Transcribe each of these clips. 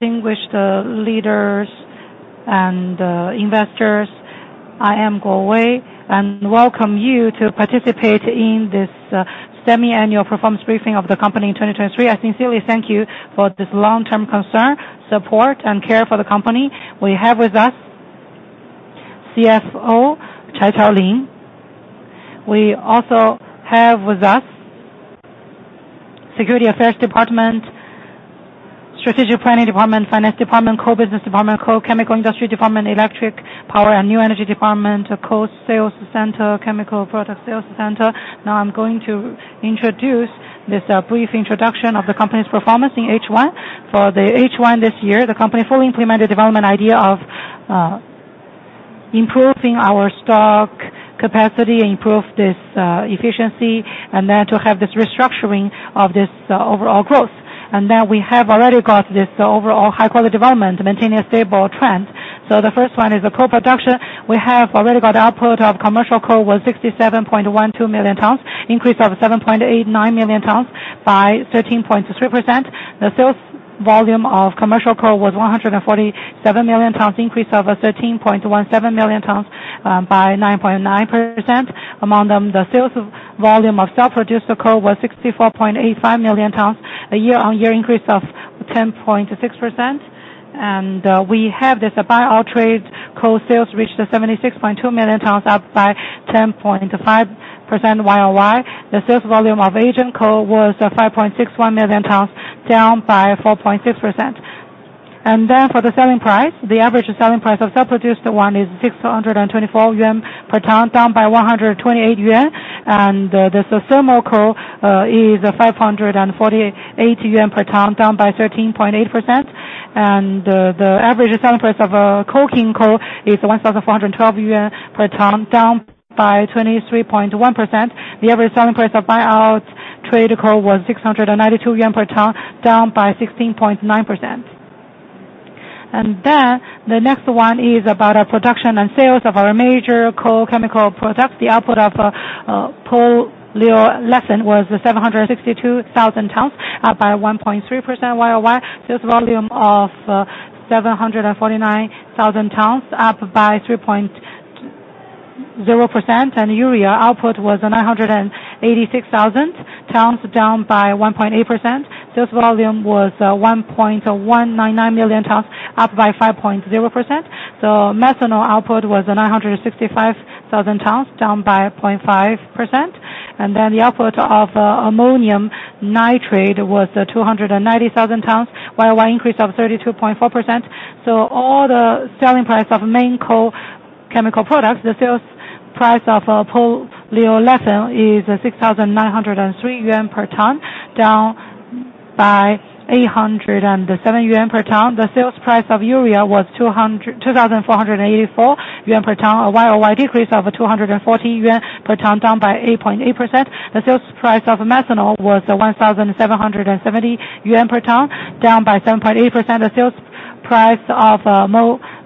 Distinguished leaders and investors, I am Wang Shudong, and welcome you to participate in this semi-annual performance briefing of the company in 2023. I sincerely thank you for this long-term concern, support, and care for the company. We have with us CFO, Chai Qiaolin. We also have with us Security Affairs Department, Strategic Planning Department, Finance Department, Coal Business Department, Chemical Industry Department, Electric Power and New Energy Department, Coal Sales Center, Chemical Product Sales Center. Now I'm going to introduce this brief introduction of the company's performance in H1. For the H1 this year, the company fully implemented development idea of improving our stock capacity, improve this efficiency, and then to have this restructuring of this overall growth. And then we have already got this overall high-quality development, maintaining a stable trend. So the first one is the coal production. We have already got the output of commercial coal was 67.12 million tons, increase of 7.89 million tons by 13.3%. The sales volume of commercial coal was 147 million tons, increase of 13.17 million tons, by 9.9%. Among them, the sales volume of self-produced coal was 64.85 million tons, a year-over-year increase of 10.6%. And, we have this buy-out trade coal sales reached 76.2 million tons, up by 10.5% YoY. The sales volume of agent coal was 5.61 million tons, down by 4.6%. And then for the selling price, the average selling price of self-produced one is 624 yuan per ton, down by 128 yuan. And the, this thermal coal is 548 yuan per ton, down by 13.8%. And the, the average selling price of coking coal is 1,412 yuan per ton, down by 23.1%. The average selling price of buy-out trade coal was 692 yuan per ton, down by 16.9%. And then, the next one is about our production and sales of our major coal chemical products. The output of polyolefin was 762,000 tons, up by 1.3% YoY. Sales volume of seven hundred and forty-nine thousand tons, up by 3.0%. And urea output was 986,000 tons, down by 1.8%. Sales volume was 1.199 million tons, up by 5.0%. The methanol output was 965,000 tons, down by 0.5%. And then the output of ammonium nitrate was 290,000 tons, YoY increase of 32.4%. So all the selling price of main coal chemical products, the sales price of polyolefin is 6,903 yuan per ton, down by 807 yuan per ton. The sales price of urea was 2,484 yuan per ton, a YoY decrease of 240 yuan per ton, down by 8.8%. The sales price of methanol was 1,770 yuan per ton, down by 7.8%. The sales price of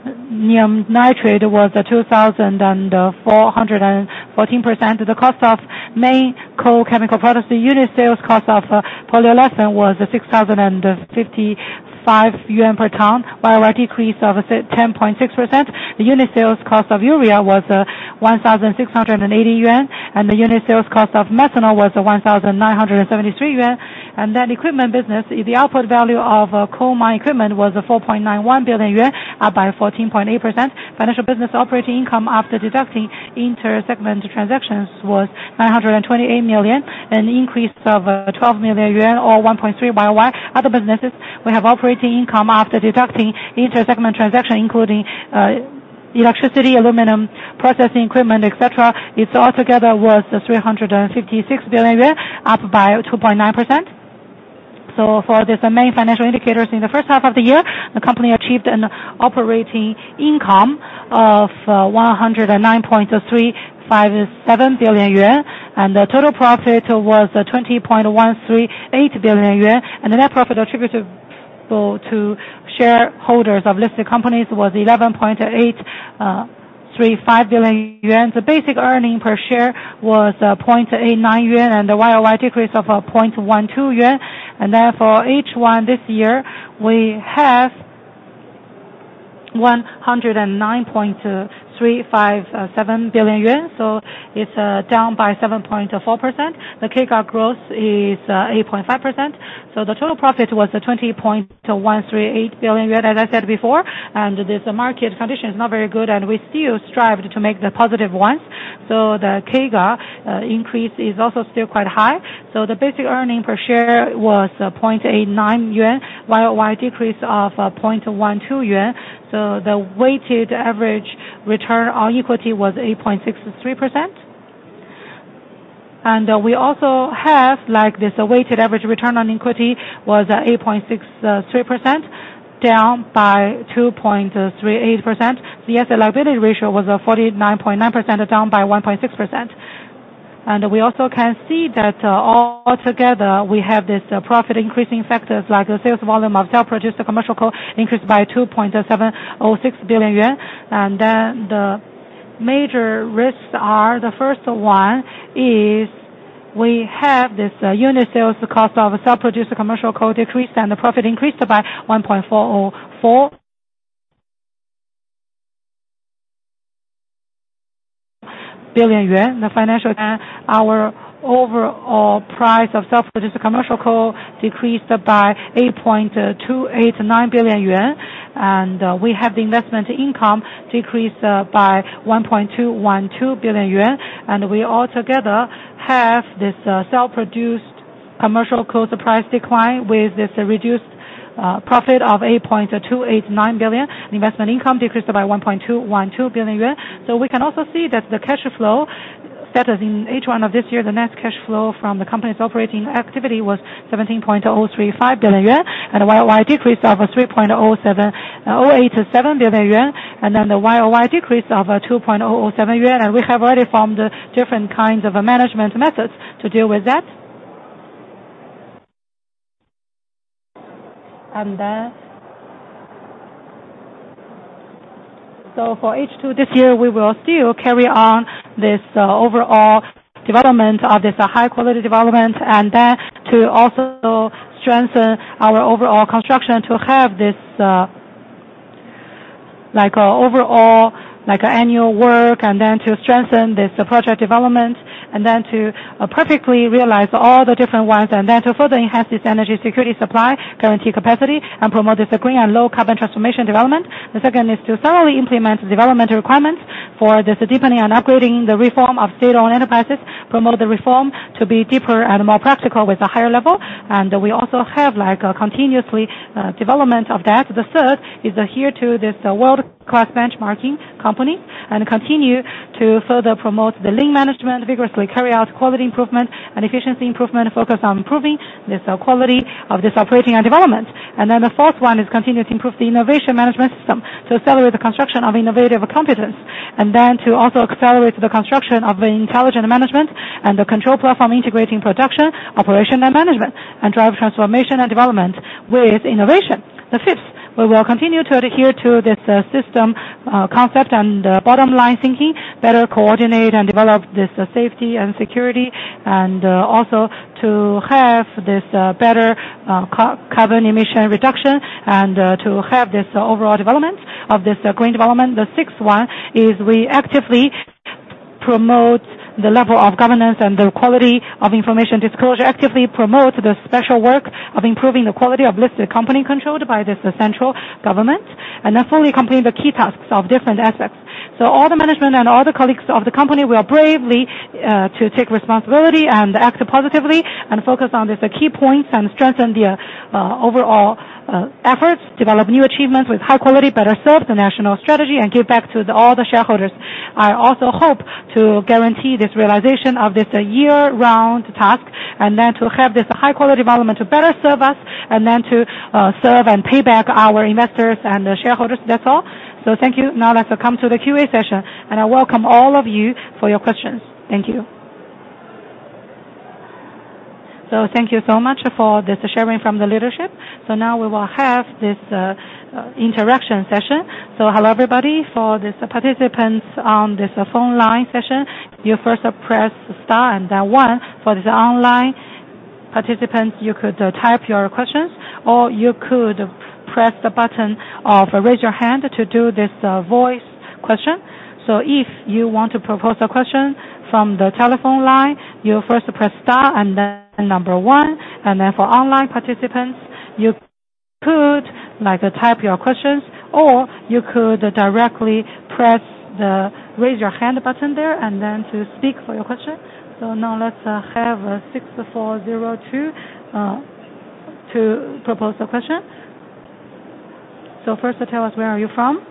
ammonium nitrate was 2,414. The cost of main coal chemical products, the unit sales cost of polyolefin was 6,055 yuan per ton, YoY decrease of 16.6%. The unit sales cost of urea was 1,680 yuan, and the unit sales cost of methanol was 1,973 yuan. And then equipment business, the output value of coal mine equipment was 4.91 billion yuan, up by 14.8%. Financial business operating income after deducting inter-segment transactions was 928 million, an increase of 12 million yuan or 1.3% YoY. Other businesses, we have operating income after deducting inter-segment transaction, including electricity, aluminum, processing equipment, et cetera. It's altogether worth 356 billion yuan, up by 2.9%. So for these main financial indicators in the first half of the year, the company achieved an operating income of 109.357 billion yuan, and the total profit was 20.138 billion yuan, and the net profit attributed to shareholders of listed companies was 11.835 billion yuan. The basic earnings per share was 0.89 yuan, and the YoY decrease of 0.12 yuan. And then for H1 this year, we have 109.357 billion yuan, so it's down by 7.4%. The CAGR growth is 8.5%. The total profit was 20.138 billion yuan, as I said before, and this market condition is not very good, and we still strived to make the positive ones. The CAGR increase is also still quite high. The basic earnings per share was 0.89 yuan, YoY decrease of 0.12 yuan. The weighted average return on equity was 8.63%. And we also have, like this, a weighted average return on equity was 8.63%, down by 2.38%. The asset liability ratio was 49.9%, down by 1.6%. We also can see that, all together, we have this, profit increasing factors like the sales volume of self-produced commercial coal increased by 2.706 billion yuan. Then the major risks are, the first one is We have this, unit sales cost of self-produced commercial coal decreased, and the profit increased by 1.404 billion yuan. The financial, and our overall price of self-produced commercial coal decreased by 8.289 billion yuan, and, we have the investment income decreased, by 1.212 billion yuan. And we altogether have this, self-produced commercial coal price decline, with this reduced, profit of 8.289 billion. Investment income decreased by 1.212 billion yuan. So we can also see that the cash flow that is in H1 of this year, the net cash flow from the company's operating activity was 17.035 billion yuan, and a YoY decrease of 3.087 billion yuan, and then the YoY decrease of 2.007 yuan. We have already formed different kinds of management methods to deal with that. So for H2 this year, we will still carry on this overall development of this high quality development, and then to also strengthen our overall construction to have this, like a overall, like annual work, and then to strengthen this project development, and then to perfectly realize all the different ones, and then to further enhance this energy security supply, guarantee capacity, and promote this green and low carbon transformation development. The second is to thoroughly implement the development requirements for this deepening and upgrading the reform of state-owned enterprises, promote the reform to be deeper and more practical with a higher level. And we also have like a continuously, development of that. The third is adhere to this world-class benchmarking company and continue to further promote the lean management, vigorously carry out quality improvement and efficiency improvement, focus on improving this, quality of this operating and development. And then the fourth one is continue to improve the innovation management system, to accelerate the construction of innovative competence, and then to also accelerate the construction of the intelligent management and the control platform, integrating production, operation, and management, and drive transformation and development with innovation. The fifth, we will continue to adhere to this system concept and bottom-line thinking, better coordinate and develop this safety and security, and also to have this better carbon emission reduction, and to have this overall development of this green development. The sixth one is we actively promote the level of governance and the quality of information disclosure, actively promote the special work of improving the quality of listed company controlled by this, the central government, and then fully complete the key tasks of different aspects. So all the management and all the colleagues of the company will bravely to take responsibility and act positively, and focus on the key points and strengthen the overall efforts, develop new achievements with high quality, better serve the national strategy, and give back to all the shareholders. I also hope to guarantee this realization of this year-round task, and then to have this high-quality development to better serve us, and then to serve and pay back our investors and the shareholders. That's all. Thank you. Now let's come to the Q&A session, and I welcome all of you for your questions. Thank you. Thank you so much for this sharing from the leadership. Now we will have this interaction session. Hello, everybody. For these participants on this phone line session, you first press star and then one. For the online participants, you could type your questions, or you could press the button of Raise Your Hand to do this voice question. So if you want to propose a question from the telephone line, you first press star and then one, and then for online participants, you could, like, type your questions, or you could directly press the Raise Your Hand button there and then to speak for your question. So now let's have 6402 to propose a question. So first, tell us, where are you from?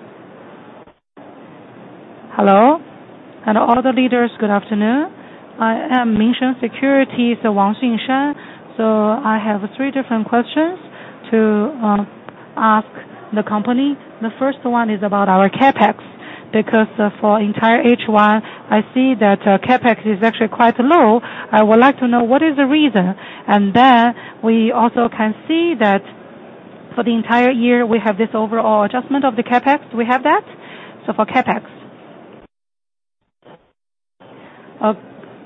Hello, and all the leaders, good afternoon. I am Minsheng Securities, Wang [Xianshan]. So I have three different questions to ask the company. The first one is about our CapEx, because for entire H1, I see that CapEx is actually quite low. I would like to know what is the reason? And then we also can see that for the entire year, we have this overall adjustment of the CapEx. We have that? So for CapEx.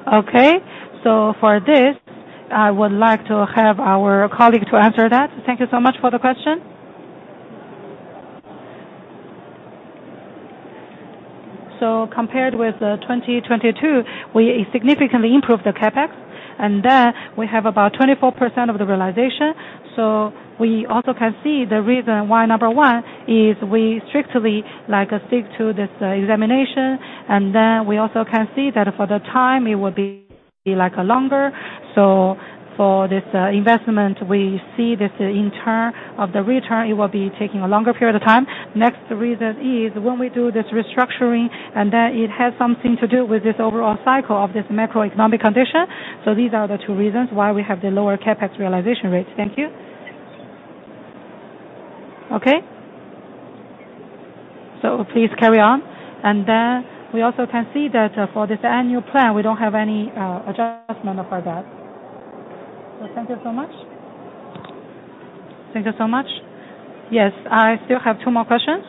Okay, so for this, I would like to have our colleague to answer that. Thank you so much for the question. So compared with 2022, we significantly improved the CapEx, and then we have about 24% of the realization. So we also can see the reason why, number one, is we strictly like stick to this examination, and then we also can see that for the time, it will be, like, longer. So for this investment, we see this in turn of the return, it will be taking a longer period of time. Next reason is when we do this restructuring, and then it has something to do with this overall cycle of this macroeconomic condition. So these are the two reasons why we have the lower CapEx realization rates. Thank you. Okay. So please carry on. We also can see that, for this annual plan, we don't have any adjustment for that. So thank you so much. Thank you so much. Yes, I still have two more questions.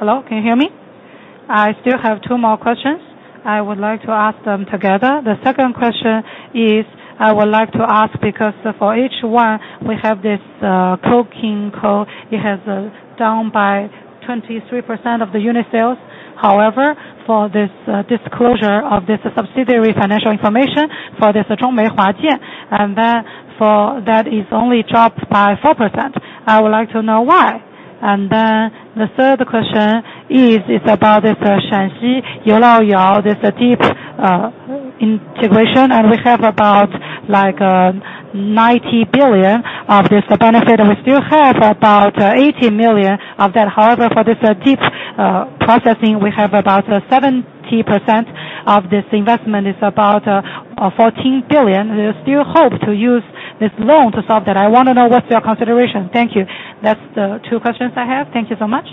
Hello, can you hear me? I still have two more questions. I would like to ask them together. The second question is, I would like to ask, because for H1, we have this coking coal. It has down by 23% of the unit sales. However, for this disclosure of this subsidiary financial information for this Zhongmei Huajin, and then for that, it's only dropped by 4%. I would like to know why? And then the third question is, it's about this Shanxi Yulaoyao, this deep integration, and we have about, like, 90 billion of this benefit, and we still have about 80 million of that. However, for this, deep, processing, we have about 70% of this investment is about 14 billion. We still hope to use this loan to solve that. I wanna know what's your consideration. Thank you. That's the two questions I have. Thank you so much.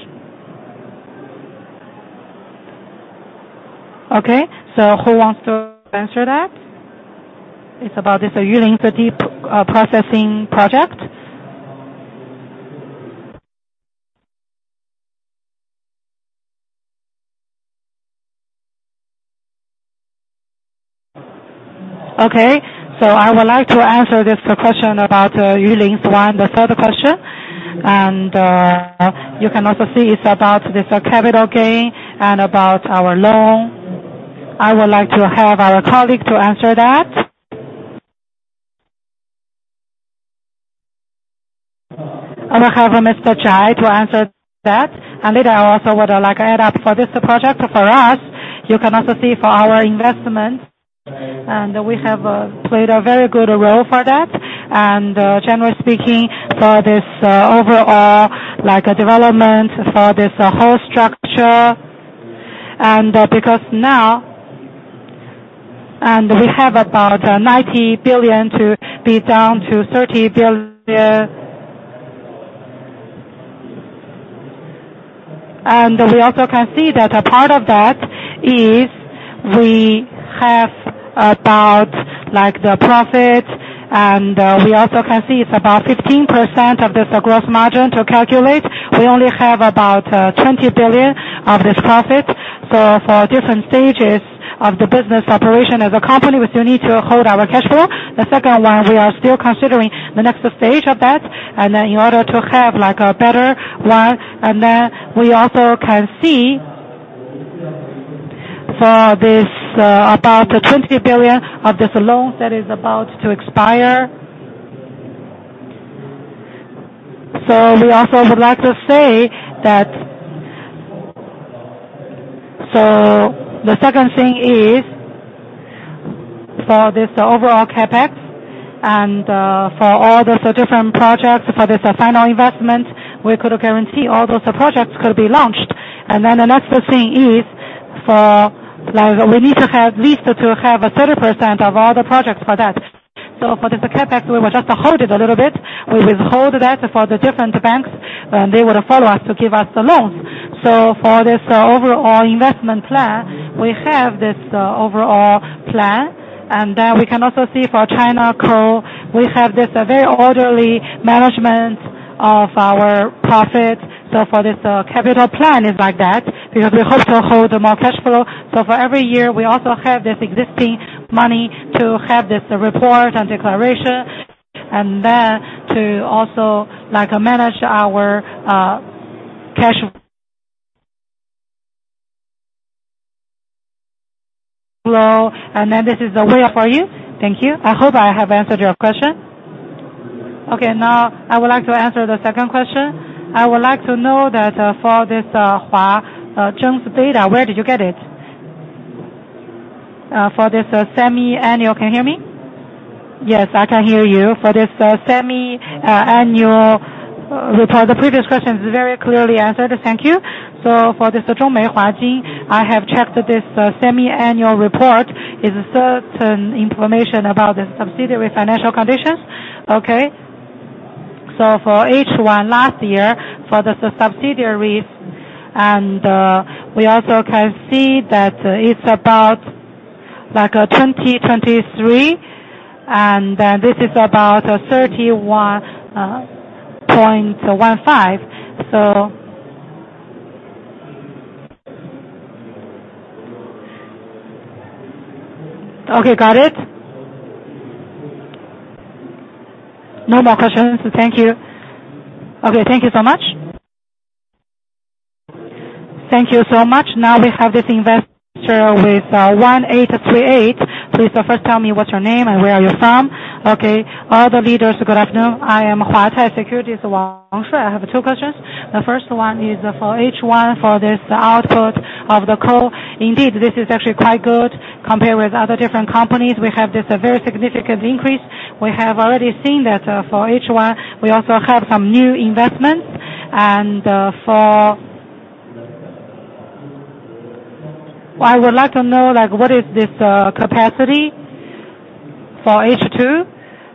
Okay, so who wants to answer that? It's about this Yulin, the deep, processing project. Okay, so I would like to answer this question about, Yulin, so and the third question, and, you can also see it's about this capital gain and about our loan. I would like to have our colleague to answer that. I will have Mr. Chai to answer that, and later I also would, like to add up for this project. For us, you can also see for our investment, and we have, played a very good role for that. Generally speaking, for this overall, like, development, for this whole structure, and, because now... And we have about 90 billion to be down to 30 billion. And we also can see that a part of that is we have about, like, the profit, and, we also can see it's about 15% of this gross margin to calculate. We only have about 20 billion of this profit. So for different stages of the business operation, as a company, we still need to hold our cash flow. The second one, we are still considering the next stage of that, and then in order to have, like, a better one, and then we also can see for this about 20 billion of this loan that is about to expire. So we also would like to say that... So the second thing is, for this overall CapEx and, for all the different projects, for this final investment, we could guarantee all those projects could be launched. And then the next thing is, for like, we need to have at least to have a 30% of all the projects for that. So for this CapEx, we will just hold it a little bit. We will hold that for the different banks, and they will follow us to give us the loans. So for this overall investment plan, we have this, overall plan, and then we can also see for China Coal, we have this, very orderly management of our profit. So for this, capital plan is like that, because we hope to hold more cash flow. So for every year, we also have this existing money to have this report and declaration, and then to also, like, manage our cash flow, and then this is a way for you. Thank you. I hope I have answered your question. Okay, now, I would like to answer the second question. I would like to know that for this Huajin data, where did you get it? For this semi-annual... Can you hear me? Yes, I can hear you. For this semi-annual report, the previous question is very clearly answered. Thank you. So for this Zhongmei Huajin, I have checked this semi-annual report. It's a certain information about the subsidiary financial conditions. Okay? So for H1 last year, for the subsidiaries, and, we also can see that it's about like, 20, 23, and, this is about 31.15. So... Okay, got it. No more questions. Thank you. Okay, thank you so much. Thank you so much. Now we have this investor with, 1838. Please first tell me what's your name and where are you from. Okay, all the leaders, good afternoon. I am Huatai Securities, Wang Shui. I have two questions. The first one is for H1, for this output of the coal. Indeed, this is actually quite good compared with other different companies. We have this, very significant increase. We have already seen that, for H1, we also have some new investments. And, for... I would like to know, like, what is this capacity for H2,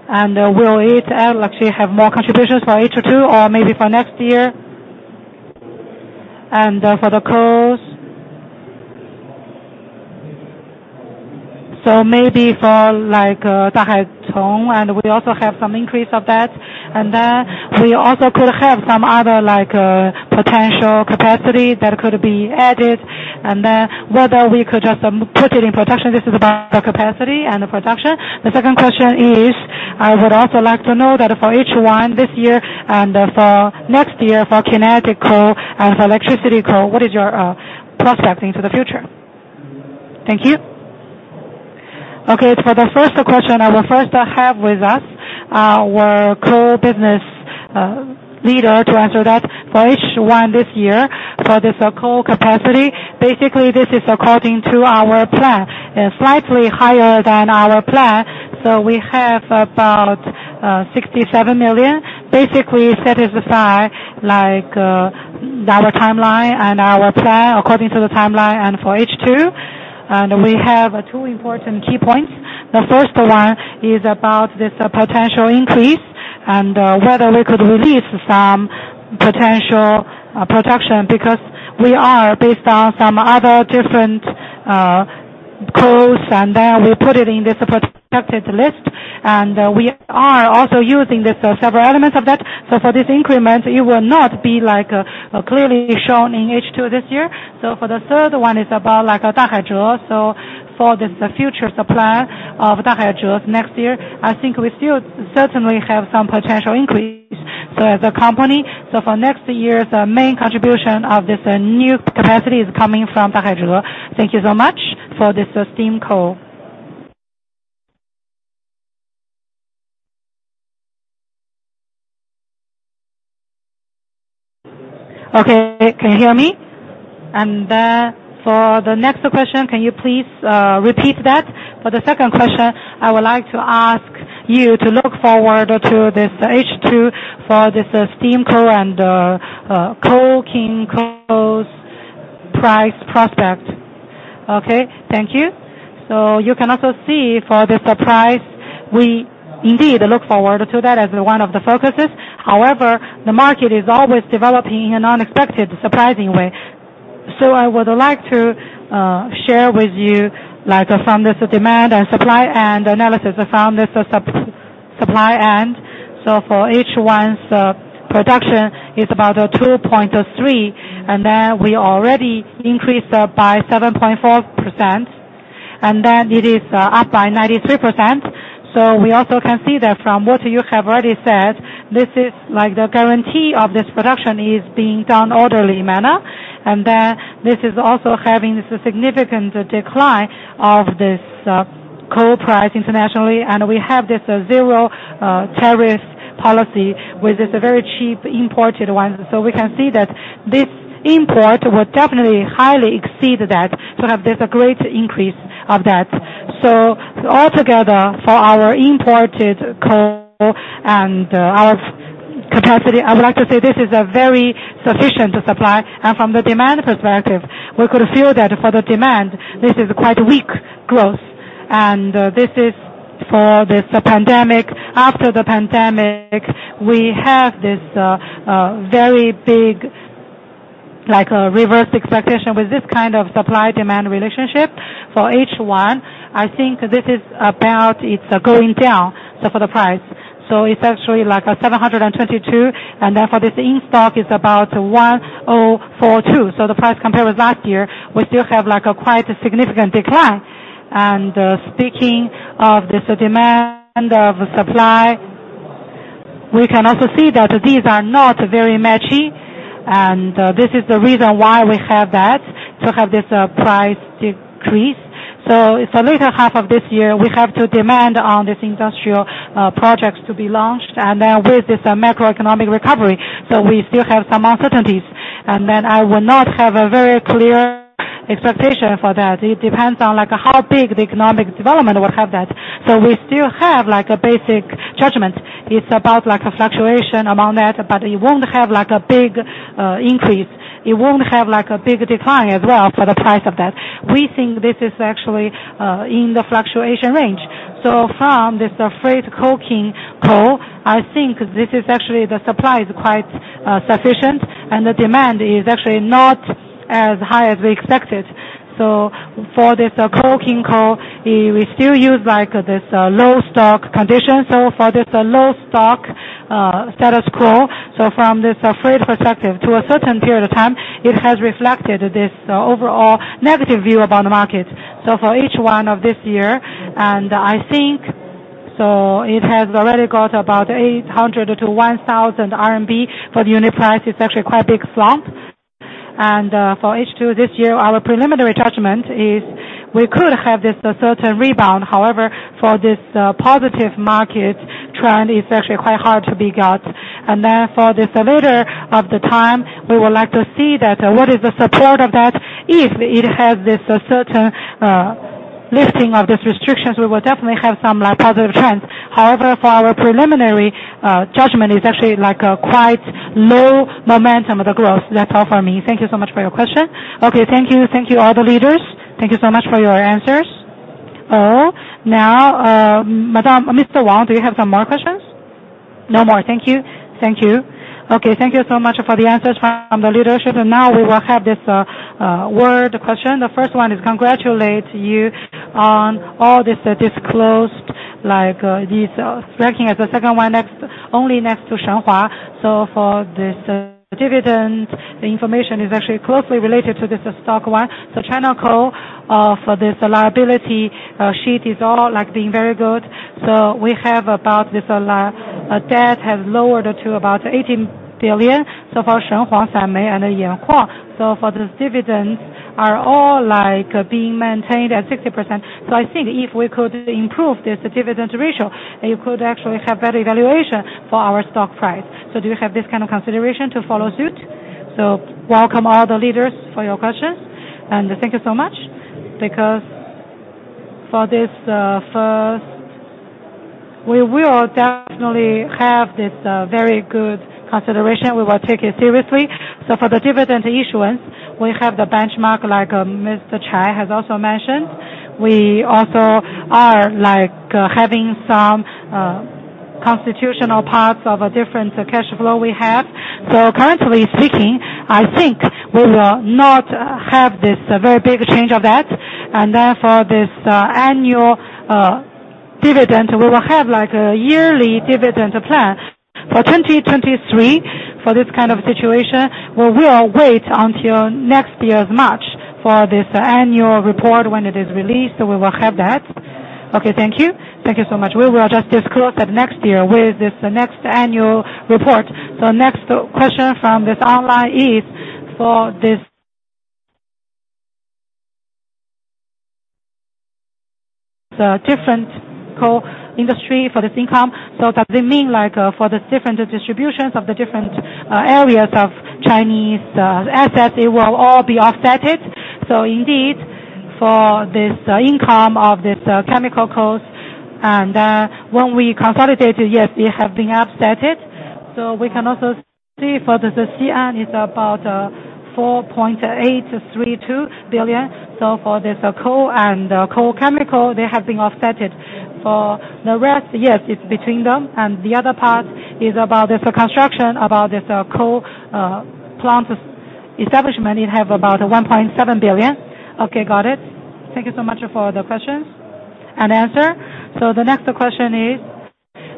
and will it actually have more contributions for H2 or maybe for next year? So maybe for like the [Hetaoyu], and we also have some increase of that. And then we also could have some other like potential capacity that could be added, and then whether we could just put it in production, this is about the capacity and the production. The second question is, I would also like to know that for H1 this year and for next year, for coking coal and for thermal coal, what is your prospecting for the future? Thank you. Okay, for the first question, I will first have with us our coal business leader to answer that. For H1 this year, for this coal capacity, basically this is according to our plan, slightly higher than our plan. So we have about 67 million, basically set aside, like our timeline and our plan according to the timeline and for H2. And we have two important key points. The first one is about this potential increase and whether we could release some potential production because we are based on some other different coals, and then we put it in this prospective list, and we are also using this several elements of that. So for this increment, it will not be like clearly shown in H2 this year. So for the third one is about like a Dahaize. So for this future supply of the Dahaize next year, I think we still certainly have some potential increase. So as a company, so for next year, the main contribution of this new capacity is coming from the Dahaize. Thank you so much for this steam coal. Okay, can you hear me? And then for the next question, can you please repeat that? For the second question, I would like to ask you to look forward to this H2 for this steam coal and coking coal price prospect. Okay, thank you. So you can also see for this price, we indeed look forward to that as one of the focuses. However, the market is always developing in an unexpected, surprising way. So I would like to share with you like from this demand and supply and analysis, from this sup-supply end. So for H1's production is about 2.3, and then we already increased by 7.4%, and then it is up by 93%. So we also can see that from what you have already said, this is like the guarantee of this production is being done orderly manner, and then this is also having this significant decline of this coal price internationally. And we have this zero tariff policy, which is a very cheap imported one. So we can see that this import will definitely highly exceed that, to have this a great increase of that. So altogether, for our imported coal and our capacity, I would like to say this is a very sufficient supply. And from the demand perspective, we could feel that for the demand, this is quite weak growth, and this is for this pandemic. After the pandemic, we have this, very big, like a reverse expectation with this kind of supply-demand relationship. For H1, I think this is about it's going down, so for the price. So it's actually like a 722, and then for this in-stock, it's about 1,042. So the price compared with last year, we still have like a quite significant decline. And speaking of this demand of supply, we can also see that these are not very matchy, and this is the reason why we have that, to have this price decrease. So in the latter half of this year, we have to demand on this industrial, projects to be launched, and then with this macroeconomic recovery. So we still have some uncertainties, and then I will not have a very clear expectation for that. It depends on like, how big the economic development will have that. So we still have like a basic judgment. It's about like a fluctuation among that, but it won't have like a big, increase. It won't have like a big decline as well for the price of that. We think this is actually, in the fluctuation range. So from this first-grade coking coal, I think this is actually the supply is quite, sufficient, and the demand is actually not as high as we expected. So for this coking coal, we still use like this, low stock condition. So for this low stock, status quo, so from this first-grade perspective, to a certain period of time, it has reflected this overall negative view about the market. So for H1 of this year, and I think... So it has already got about 800-1,000 RMB for the unit price. It's actually quite a big slump. And for H2 this year, our preliminary judgment is we could have this a certain rebound. However, for this positive market trend, it's actually quite hard to be got. And then for this later of the time, we would like to see that what is the support of that? If it has this a certain, lifting of these restrictions, we will definitely have some like, positive trends. However, for our preliminary, judgment, it's actually like a quite low momentum of the growth. That's all for me. Thank you so much for your question. Okay, thank you. Thank you, all the leaders. Thank you so much for your answers. Oh, now, Madame-- Mr. Wang, do you have some more questions?...No more. Thank you. Thank you. Okay, thank you so much for the answers from the leadership. And now we will have this one question. The first one is congratulate you on all this disclosed, like, this ranking as the second one next, only next to Shenhua. So for this dividend, the information is actually closely related to this stock one. So China Coal, for this balance sheet is all like being very good. So we have about this debt has lowered to about 80 billion. So for Shenhua, Sanmei, and Yankuang so for this dividends are all like being maintained at 60%. So I think if we could improve this dividend ratio, you could actually have better evaluation for our stock price. So do you have this kind of consideration to follow suit? So welcome all the leaders for your questions, and thank you so much, because for this, first, we will definitely have this very good consideration. We will take it seriously. So for the dividend issuance, we have the benchmark, like, Mr. Chai has also mentioned. We also are like, having some constitutional parts of a different cash flow we have. So currently speaking, I think we will not have this very big change of that, and therefore, this annual dividend, we will have like a yearly dividend plan. For 2023, for this kind of situation, we will wait until next year's March for this annual report. When it is released, we will have that. Okay. Thank you. Thank you so much. We will just disclose that next year with this next annual report. So next question from this online is, for this... the different coal industry, for this income, so does it mean like, for the different distributions of the different, areas of Chinese, assets, they will all be offset? So indeed, for this income of this, chemical cost, and, when we consolidate it, yes, it have been offset. So we can also see for the, it's about, 4.832 billion. So for this, coal and, coal chemical, they have been offset. For the rest, yes, it's between them and the other part is about this construction, about this, coal, plant establishment. It have about 1.7 billion. Okay, got it. Thank you so much for the questions and answer. So the next question is,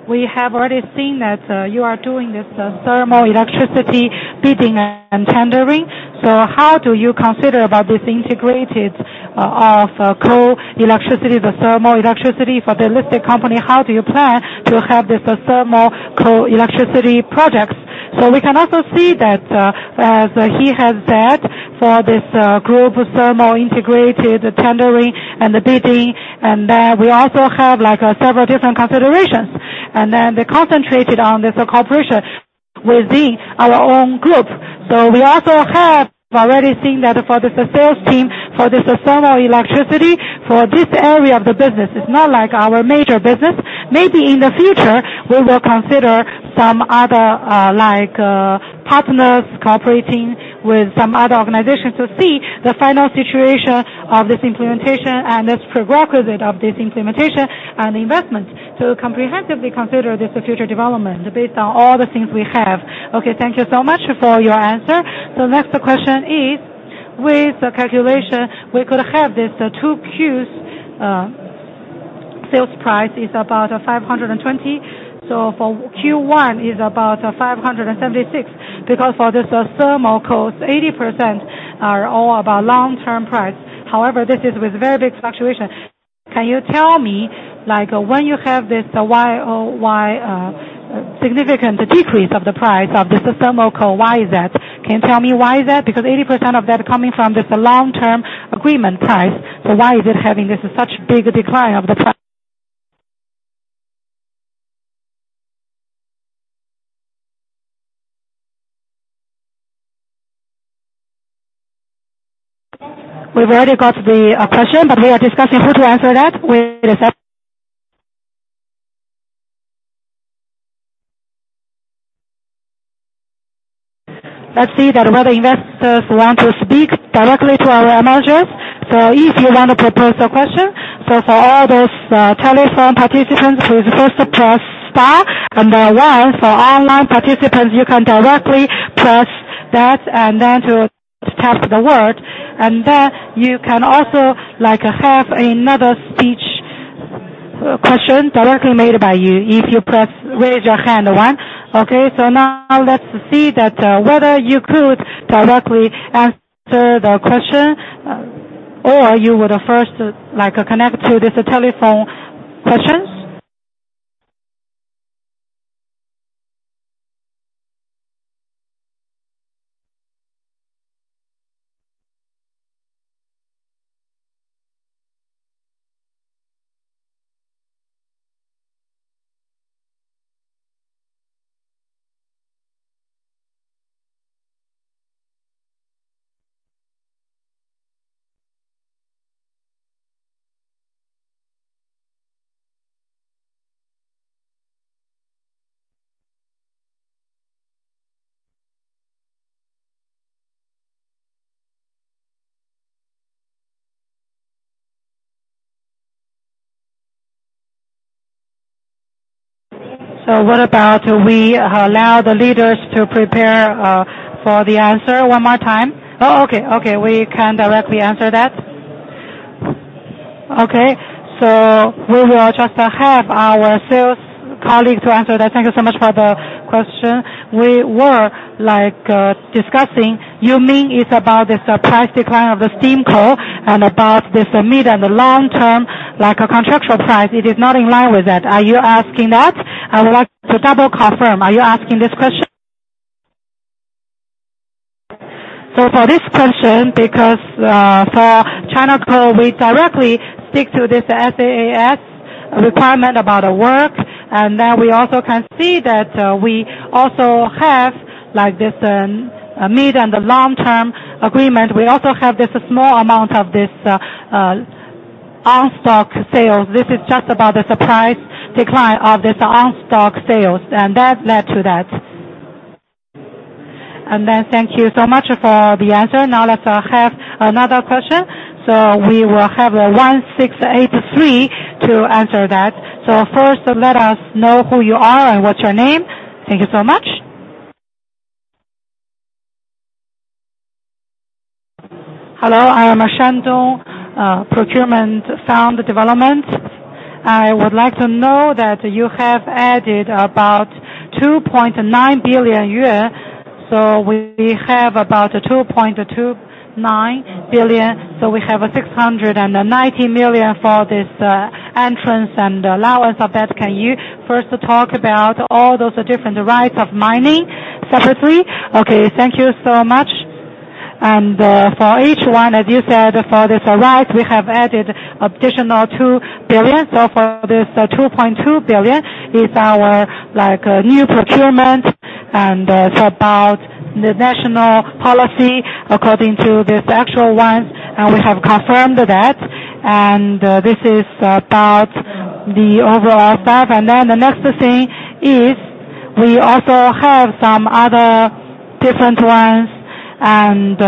we have already seen that, you are doing this, thermal electricity bidding and tendering. So how do you consider about this integrated, of, coal electricity, the thermal electricity for the listed company? How do you plan to have this thermal coal electricity projects? So we can also see that, as he has said, for this, group, thermal integrated tendering and the bidding, and then we also have like, several different considerations. And then they concentrated on this cooperation within our own group. So we also have already seen that for this sales team, for this thermal electricity, for this area of the business, it's not like our major business. Maybe in the future, we will consider some other, like, partners cooperating with some other organizations to see the final situation of this implementation and this prerequisite of this implementation and investment. So comprehensively consider this future development based on all the things we have. Okay, thank you so much for your answer. The next question is, with the calculation, we could have this, 2Q's, sales price is about 520. So for Q1 is about 576, because for this, thermal cost, 80% are all about long-term price. However, this is with very big fluctuation. Can you tell me, like, when you have this year-over-year, significant decrease of the price of this thermal coal, why is that? Can you tell me why is that? Because 80% of that coming from this long-term agreement price, so why is it having this such big decline of the pri- We've already got the, question, but we are discussing who to answer that. We'll accept... Let's see that whether investors want to speak directly to our managers. So if you want to propose a question, so for all those telephone participants, please first press star and one. For online participants, you can directly press that and then to type the word, and then you can also, like, have another speech question directly made by you if you press Raise Your Hand one. Okay, so now let's see that whether you could directly answer the question or you would first like to connect to this telephone questions? So what about we allow the leaders to prepare for the answer one more time? Oh, okay. Okay, we can directly answer that. Okay, so we will just have our sales colleague to answer that. Thank you so much for the question. We were like, discussing, you mean it's about this price decline of the steam coal and about this mid and the long-term, like a contractual price, it is not in line with that. Are you asking that? I would like to double-confirm. Are you asking this question? So for this question, because, for China Coal, we directly stick to this SASAC requirement about the work, and then we also can see that, we also have, like, this, mid and the long-term agreement. We also have this small amount of this, on-stock sales. This is just about the surprise decline of this on-stock sales, and that led to that. And then thank you so much for the answer. Now, let's, have another question. So we will have 1683 to answer that. So first, let us know who you are and what's your name. Thank you so much. Hello, I am Shandong, [Procurement Fund Development]. I would like to know that you have added about 2.9 billion yuan, so we have about 2.29 billion, so we have a 690 million for this, entrance and allowance of that. Can you first talk about all those different mining rights separately? Okay, thank you so much. And, for each one, as you said, for this right, we have added additional 2 billion. So for this 2.2 billion, is our like, new procurement, and it's about the national policy, according to this actual one, and we have confirmed that. And, this is about the overall stuff. And then the next thing is we also have some other different ones, and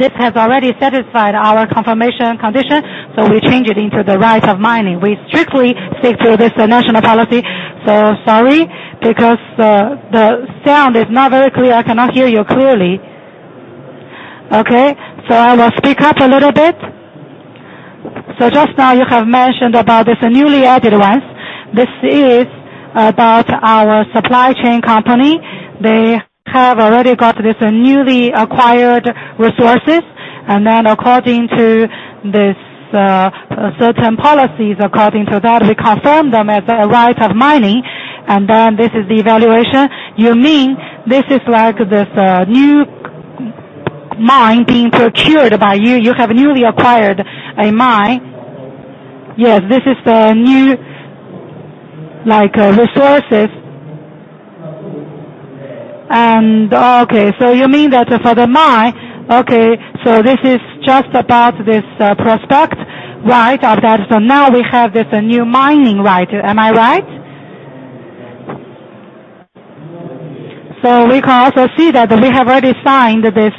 this has already satisfied our confirmation condition, so we change it into the mining rights. We strictly stick to this national policy. So sorry, because the sound is not very clear, I cannot hear you clearly. Okay, so I will speak up a little bit. So just now, you have mentioned about this newly added ones. This is about our supply chain company. They have already got this newly acquired resources, and then according to this certain policies, according to that, we confirm them as mining rights, and then this is the evaluation. You mean, this is like this new mine being procured by you? You have newly acquired a mine. Yes, this is the new, like, resources. And okay, so you mean that for the mine? Okay, so this is just about this prospect right of that. So now we have this new mining right. Am I right? So we can also see that we have already signed this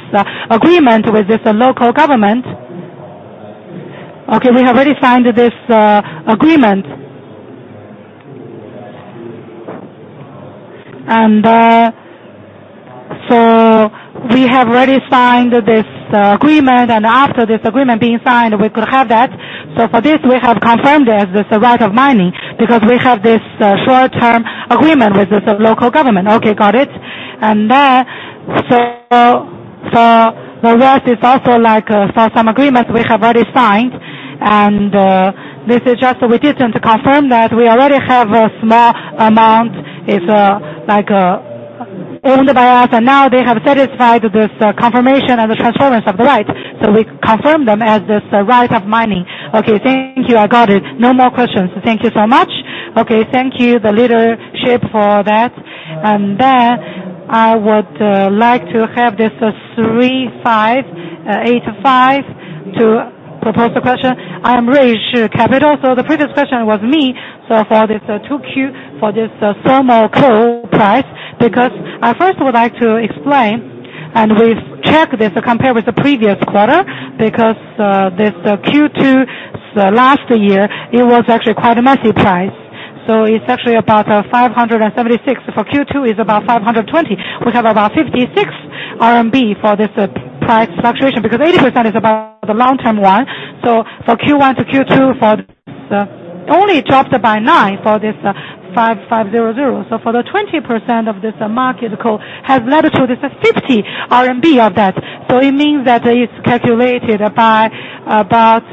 agreement with this local government. Okay, we have already signed this agreement. And so we have already signed this agreement, and after this agreement being signed, we could have that. So for this, we have confirmed this as a right of mining, because we have this short-term agreement with this local government. Okay, got it. And then, so the rest is also like for some agreements we have already signed, and this is just we didn't confirm that we already have a small amount. It's like owned by us, and now they have satisfied this confirmation and the transference of the right. So we confirm them as this right of mining. Okay, thank you. I got it. No more questions. Thank you so much. Okay, thank you, the leadership, for that. Then I would like to have this 3585 to propose the question. I am Capital. So the previous question was me. So for this 2Q, for this thermal coal price, because I first would like to explain, and we've checked this compared with the previous quarter, because this Q2 last year, it was actually quite a messy price. So it's actually about 576. For Q2, it's about 520. We have about 56 RMB for this price fluctuation, because 80% is about the long-term one. So for Q1 to Q2, for the... Only dropped by nine for this, 5500. So for the 20% of this market coal has led to this 50 RMB of that. So it means that it's calculated by about,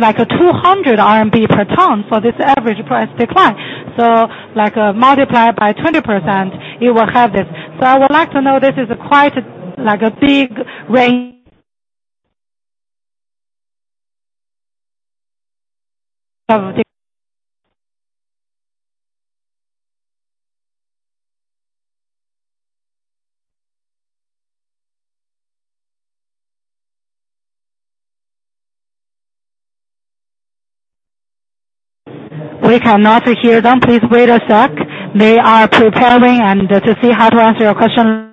like, a 200 RMB per ton for this average price decline. So like, multiply by 20%, you will have this. So I would like to know, this is quite, like, a big range. We cannot hear them. Please wait a sec. They are preparing and to see how to answer your question.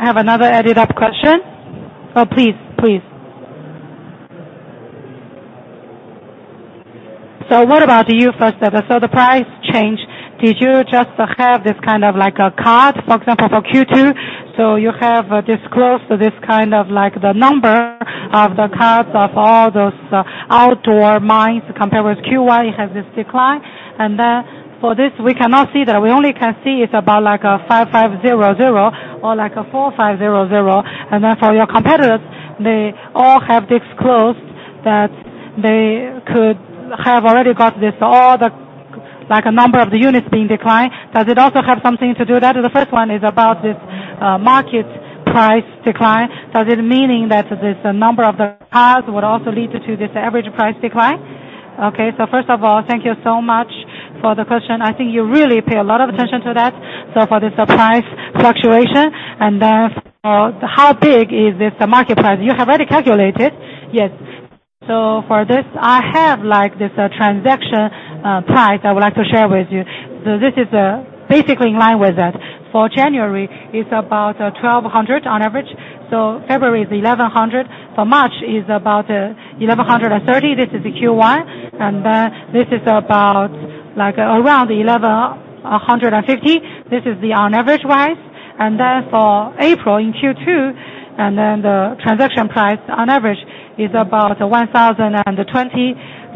I have another added up question. Oh, please, please. So what about you first? So the price change, did you just have this kind of like a card, for example, for Q2? So you have disclosed this kind of like the number of the cards of all those outdoor mines compared with Q1, you have this decline. For this, we cannot see that. We only can see it's about like a 5,500 or like a 4,500. Then for your competitors, they all have disclosed that they could have already got this all the, like, a number of the units being declined. Does it also have something to do with that? The first one is about this market price decline. So is it meaning that this number of the cars would also lead to this average price decline? Okay, so first of all, thank you so much for the question. I think you really pay a lot of attention to that. So for this price fluctuation, and then for how big is this, the market price? You have already calculated? Yes. So for this, I have like this, transaction price I would like to share with you. So this is basically in line with that. For January, it's about 1,200 on average. So February is 1,100. For March, is about 1,130. This is the Q1. And then this is about like around 1,150. This is the on average price. And then for April in Q2, and then the transaction price on average is about 1,020.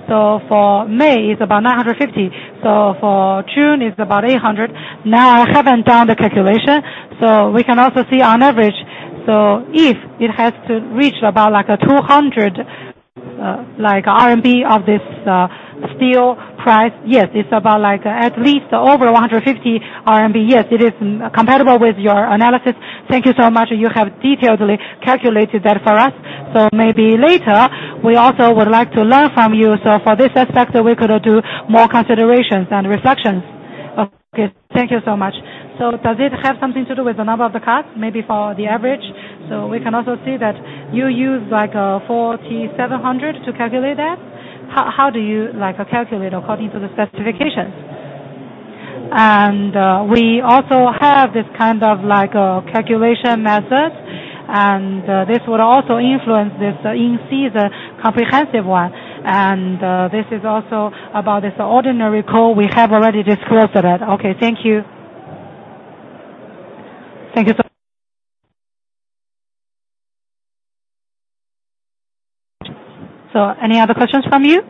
So for May, it's about 950. So for June, it's about 800. Now, I haven't done the calculation, so we can also see on average. So if it has to reach about like a 200 RMB like of this steel price, yes, it's about like at least over 100 RMB. Yes, it is compatible with your analysis. Thank you so much. You have detailedly calculated that for us. So maybe later, we also would like to learn from you. So for this aspect, we could do more considerations and reflections. Okay, thank you so much. So does it have something to do with the number of the cars, maybe for the average? So we can also see that you use like a 4,700 to calculate that. How do you like, calculate according to the specifications? And, we also have this kind of like, calculation method, and, this would also influence this in see the comprehensive one. And, this is also about this ordinary call. We have already disclosed that. Okay, thank you. Thank you so... So any other questions from you?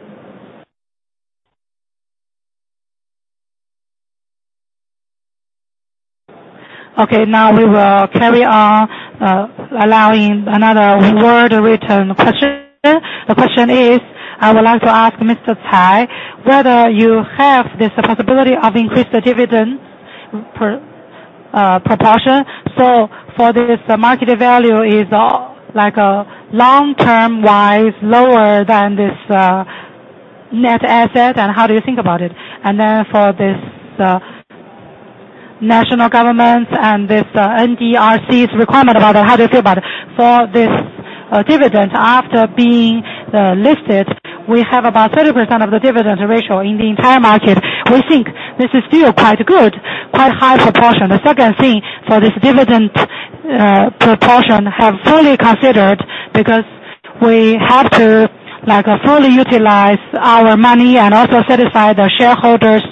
Okay, now we will carry on, allowing another word written question. The question is: I would like to ask Mr. Chai, whether you have this possibility of increased dividend per proportion. So for this, the market value is like a long-term wise, lower than this net asset, and how do you think about it? And then for this national government and this NDRC's requirement about it, how do you feel about it? For this dividend, after being listed, we have about 30% of the dividend ratio in the entire market. We think this is still quite good, quite high proportion. The second thing for this dividend proportion have fully considered, because we have to, like, fully utilize our money and also satisfy the shareholders'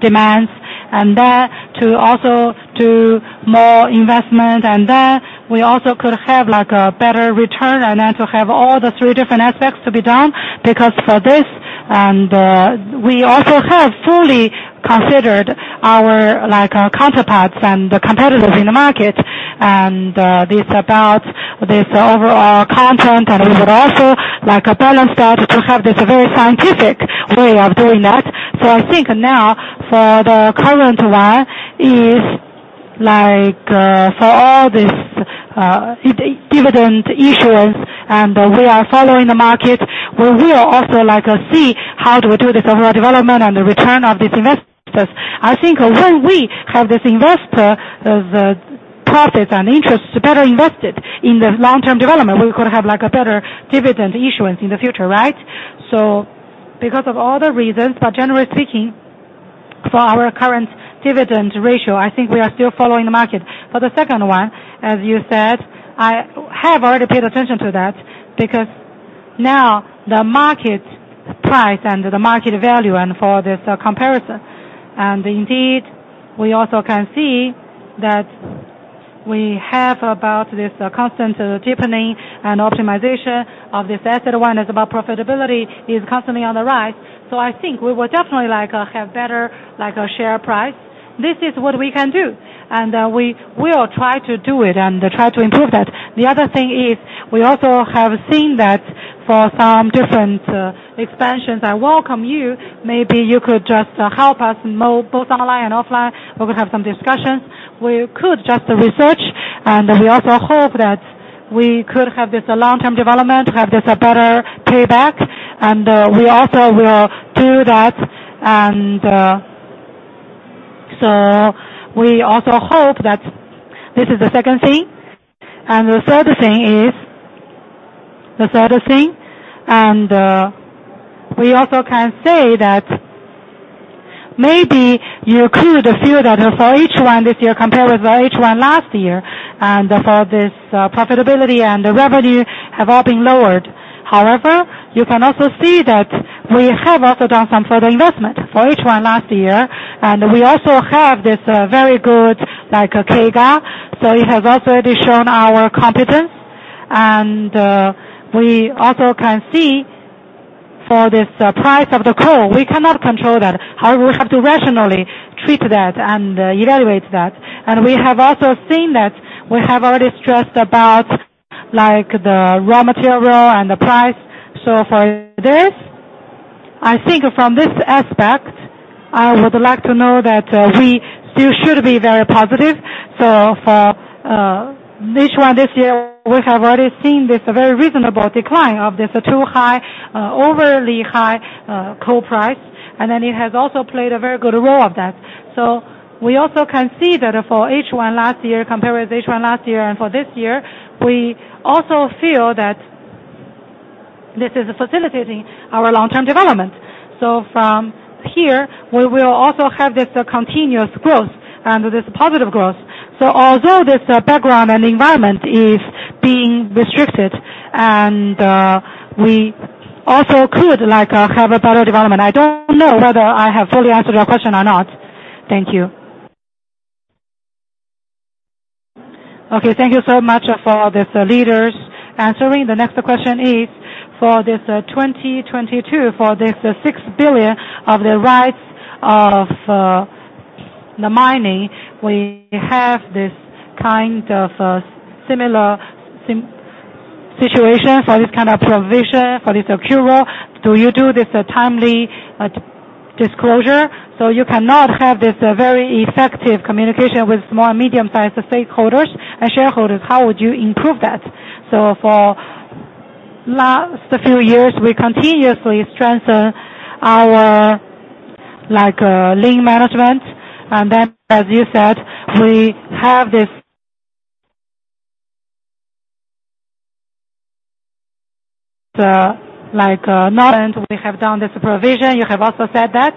demands, and then to also do more investment, and then we also could have, like, a better return, and then to have all the three different aspects to be done. Because for this, and, we also have fully considered our, like, our counterparts and the competitors in the market, and, this about this overall content, and we would also like to balance that to have this very scientific way of doing that. So I think now for the current one is like, for all this, dividend issuance, and we are following the market, we will also like, see how do we do this overall development and the return of this investment. I think when we have this investor, the profit and interest better invested in the long-term development, we could have like a better dividend issuance in the future, right? So because of all the reasons, but generally speaking, for our current dividend ratio, I think we are still following the market. For the second one, as you said, I have already paid attention to that, because now the market price and the market value, and for this comparison, and indeed, we also can see that we have about this constant deepening and optimization of this asset. One is about profitability is constantly on the rise. So I think we would definitely like, have better, like, a share price. This is what we can do, and, we will try to do it and try to improve that. The other thing is, we also have seen that for some different expansions, I welcome you. Maybe you could just help us more, both online and offline, or we have some discussions. We could just research, and we also hope that we could have this long-term development, have this a better payback, and we also will do that. And so we also hope that this is the second thing. And the third thing is... The third thing, and we also can say that maybe you could feel that for H1 this year, compared with H1 last year, and for this profitability and the revenue have all been lowered. However, you can also see that we have also done some further investment for H1 last year, and we also have this very good, like, CAGR. So it has also already shown our competence. And, we also can see for this price of the coal, we cannot control that. However, we have to rationally treat that and evaluate that. And we have also seen that we have already stressed about, like, the raw material and the price. So for this, I think from this aspect, I would like to know that we still should be very positive. So for H1 this year, we have already seen this very reasonable decline of this too high, overly high coal price, and then it has also played a very good role of that. So we also can see that for H1 last year, compared with H1 last year and for this year, we also feel that this is facilitating our long-term development. So from here, we will also have this continuous growth and this positive growth. So although this background and environment is being restricted, and we also could like have a better development. I don't know whether I have fully answered your question or not. Thank you. Okay, thank you so much for this leaders. Answering the next question is, for this 2022, for this 6 billion of the rights of the mining, we have this kind of similar situation for this kind of provision, for this accrual. Do you do this timely disclosure, so you cannot have this very effective communication with small and medium-sized stakeholders and shareholders? How would you improve that? So for last few years, we continuously strengthen our like lean management. And then, as you said, we have this like knowledge, we have done this provision. You have also said that.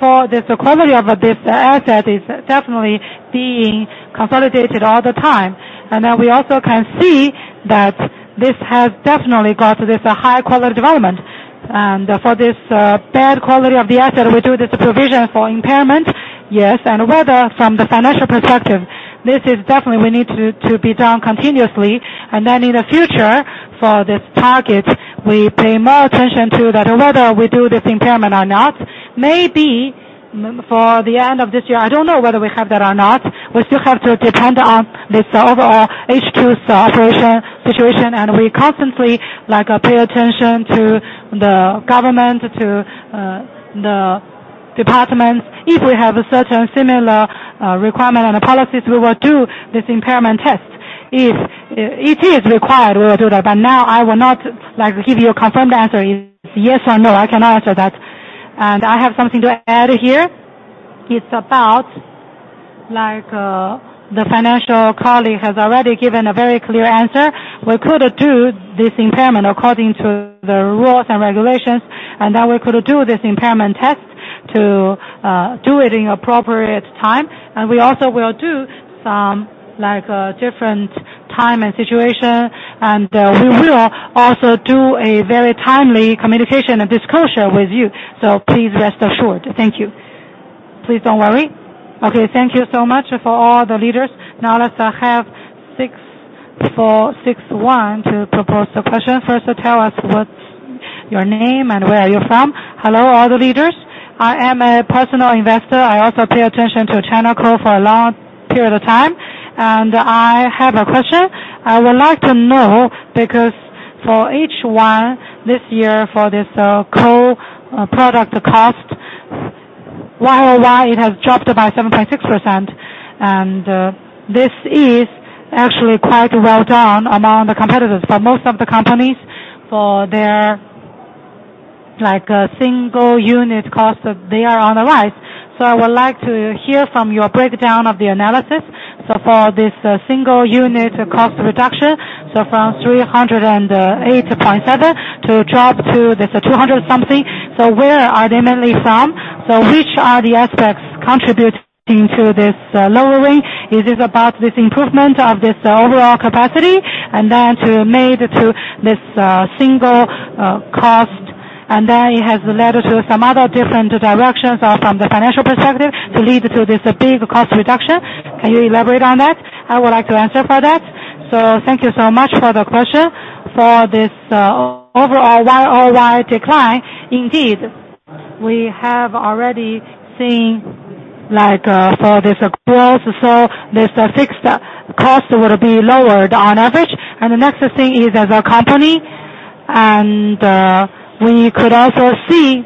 For this quality of this asset is definitely being consolidated all the time. Then we also can see that this has definitely got this high-quality development. For this, bad quality of the asset, we do this provision for impairment. Yes, and whether from the financial perspective, this is definitely we need to, to be done continuously. Then in the future, for this target, we pay more attention to that, whether we do this impairment or not. Maybe for the end of this year, I don't know whether we have that or not. We still have to depend on this overall H2 operation situation, and we constantly, like, pay attention to the government, to, the departments. If we have a certain similar, requirement and policies, we will do this impairment test. If it is required, we will do that, but now I will not, like, give you a confirmed answer, is yes or no. I cannot answer that. I have something to add here. It's about like, the financial colleague has already given a very clear answer. We could do this impairment according to the rules and regulations, and then we could do this impairment test to do it in appropriate time. We also will do some, like, different time and situation, and we will also do a very timely communication and disclosure with you. So please rest assured. Thank you. Please don't worry. Okay, thank you so much for all the leaders. Now let's have 6461 to propose the question. First, tell us what's your name and where are you from? Hello, all the leaders. I am a personal investor. I also pay attention to China Coal for a long period of time, and I have a question. I would like to know, because for H1 this year, for this coal product cost, YoY, it has dropped by 7.6%, and this is actually quite well done among the competitors. For most of the companies, for their, like, single unit cost, they are on the rise. So I would like to hear from your breakdown of the analysis. So for this single unit cost reduction, so from 308.7 to drop to this 200-something. So where are they mainly from? So which are the aspects contributing to this lowering? Is this about this improvement of this overall capacity, and then to made to this, single, cost, and then it has led to some other different directions or from the financial perspective, to lead to this big cost reduction? Can you elaborate on that? I would like to answer for that. So thank you so much for the question. For this, overall year-over-year decline, indeed, we have already seen like, for this growth, so this fixed cost would be lowered on average. And the next thing is as a company, and, we could also see,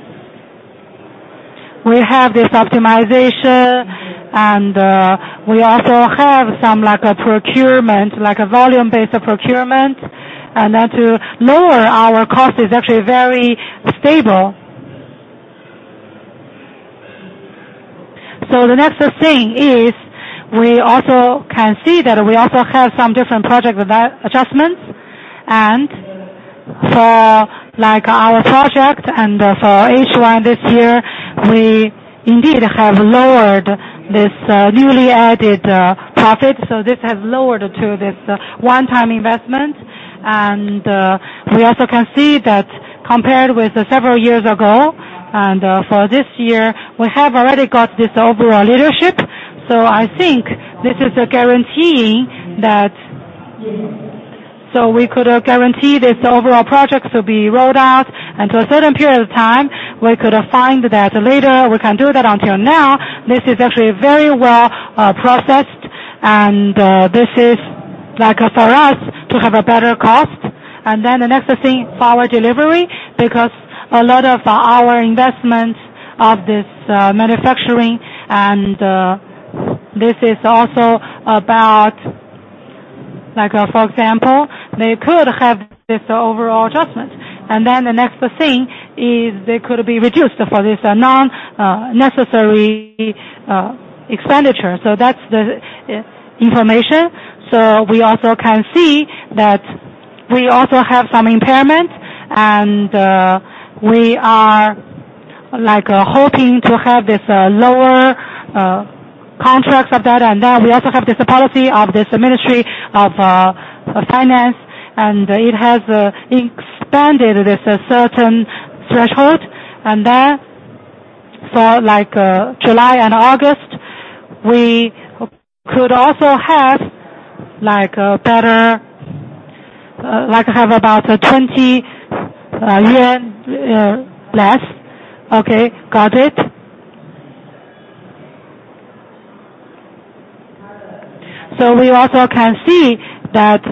we have this optimization, and, we also have some like a procurement, like a volume-based procurement, and then to lower our cost is actually very stable. So the next thing is, we also can see that we also have some different project with that adjustments. And for like our project and for H1 this year, we indeed have lowered this, newly added, profit, so this has lowered to this one-time investment. And, we also can see that compared with several years ago, and, for this year, we have already got this overall leadership. So I think this is a guaranteeing that... So we could guarantee this overall projects will be rolled out, and to a certain period of time, we could find that later. We can do that until now. This is actually very well, processed, and, this is like for us to have a better cost. And then the next thing, for our delivery, because a lot of our investment of this, manufacturing, and, this is also about, like, for example, they could have this overall adjustment. And then the next thing is they could be reduced for this non necessary expenditure. So that's the information. So we also can see that we also have some impairment, and we are like hoping to have this lower contracts of that. And then we also have this policy of this Ministry of Finance, and it has expanded this certain threshold. And then for like July and August, we could also have like a better like have about 20 yuan less. Okay, got it. So we also can see that.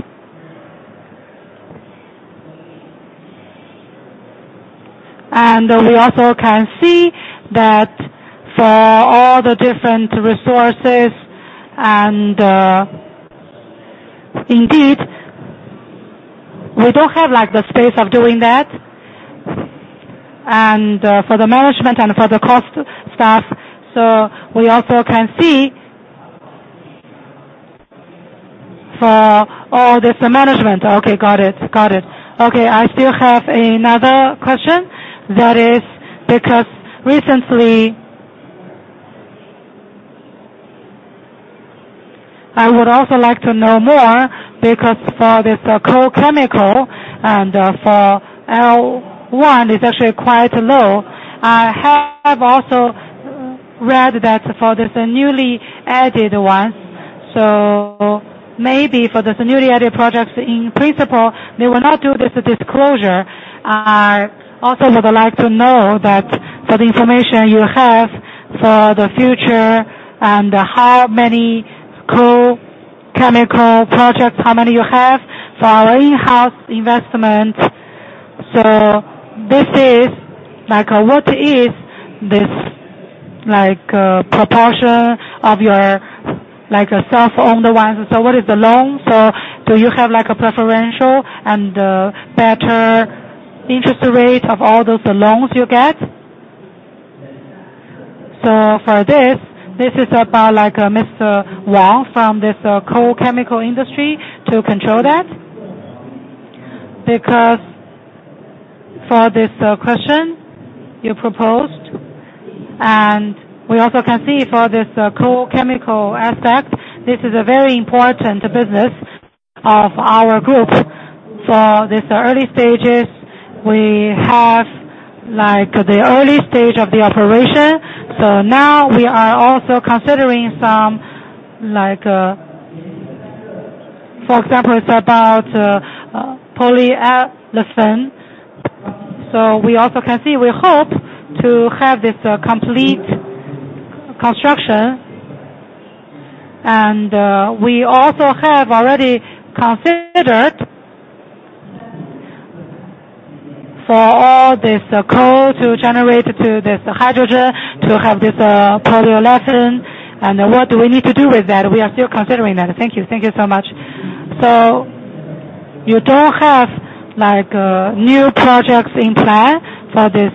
And we also can see that for all the different resources, and indeed, we don't have like the space of doing that, and for the management and for the cost stuff. So we also can see for all this management. Okay, got it. Got it. Okay, I still have another question. That is because recently... I would also like to know more, because for this coal chemical and, for L1, it's actually quite low. I have also read that for this newly added one, so maybe for this newly added projects, in principle, they will not do this disclosure. I also would like to know that for the information you have for the future and how many coal chemical projects, how many you have for our in-house investment. So this is, like, what is this, like, proportion of your, like, self-owned ones? So what is the loan? So do you have like a preferential and, better interest rate of all those loans you get? So for this, this is about like, Mr. Wang, from this, coal chemical industry to control that. Because for this, question you proposed, and we also can see for this, coal chemical aspect, this is a very important business of our group. For this early stages, we have like the early stage of the operation. So now we are also considering some like, for example, it's about, polyolefin. So we also can see, we hope to have this, complete construction, and, we also have already considered for all this, coal to generate to this hydrogen, to have this, polyolefin. And what do we need to do with that? We are still considering that. Thank you. Thank you so much. You don't have like, new projects in plan for this,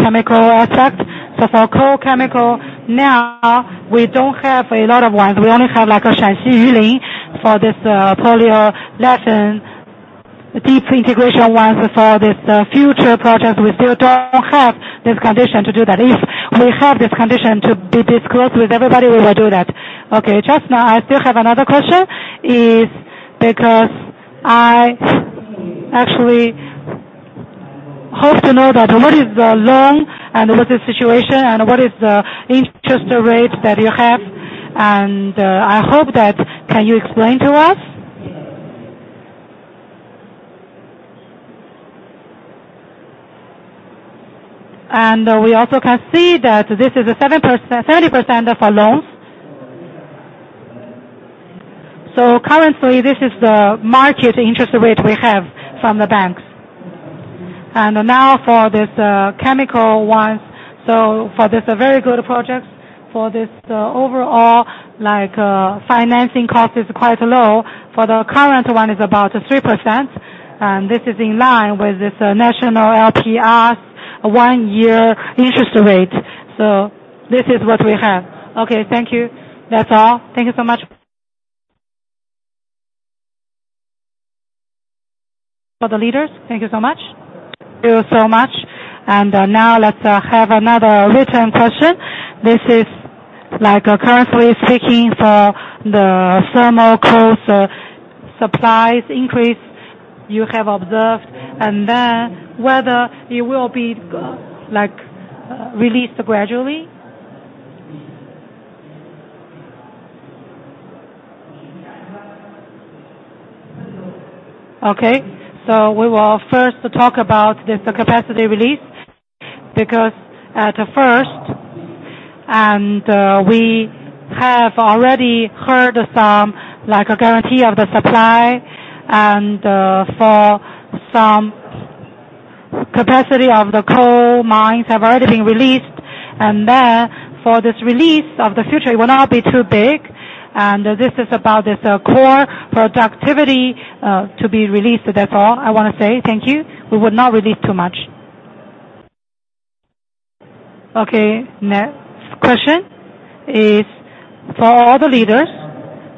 chemical aspect? So for coal chemical, now, we don't have a lot of ones. We only have, like, a Shaanxi Yulin for this polyolefin deep integration ones. For this future projects, we still don't have this condition to do that. If we have this condition to be this close with everybody, we will do that. Okay, just now, I still have another question, is because I actually hope to know that what is the loan and what's the situation and what is the interest rate that you have? And I hope that you can explain to us? And we also can see that this is a 70% for loans. So currently, this is the market interest rate we have from the banks. And now for this chemical ones, so for this very good projects, for this overall, like, financing cost is quite low. For the current one, is about 3%, and this is in line with this national LPR one-year interest rate. So this is what we have. Okay, thank you. That's all. Thank you so much. For the leaders, thank you so much. Thank you so much. And, now let's have another written question. This is like, currently speaking for the thermal coal supplies increase you have observed, and then whether it will be, like, released gradually. Okay. So we will first talk about this capacity release, because at first, and, we have already heard some, like, a guarantee of the supply, and, for some capacity of the coal mines have already been released. And then, for this release of the future, it will not be too big, and this is about this, core productivity, to be released. So that's all I want to say. Thank you. We will not release too much. Okay, next question is for all the leaders.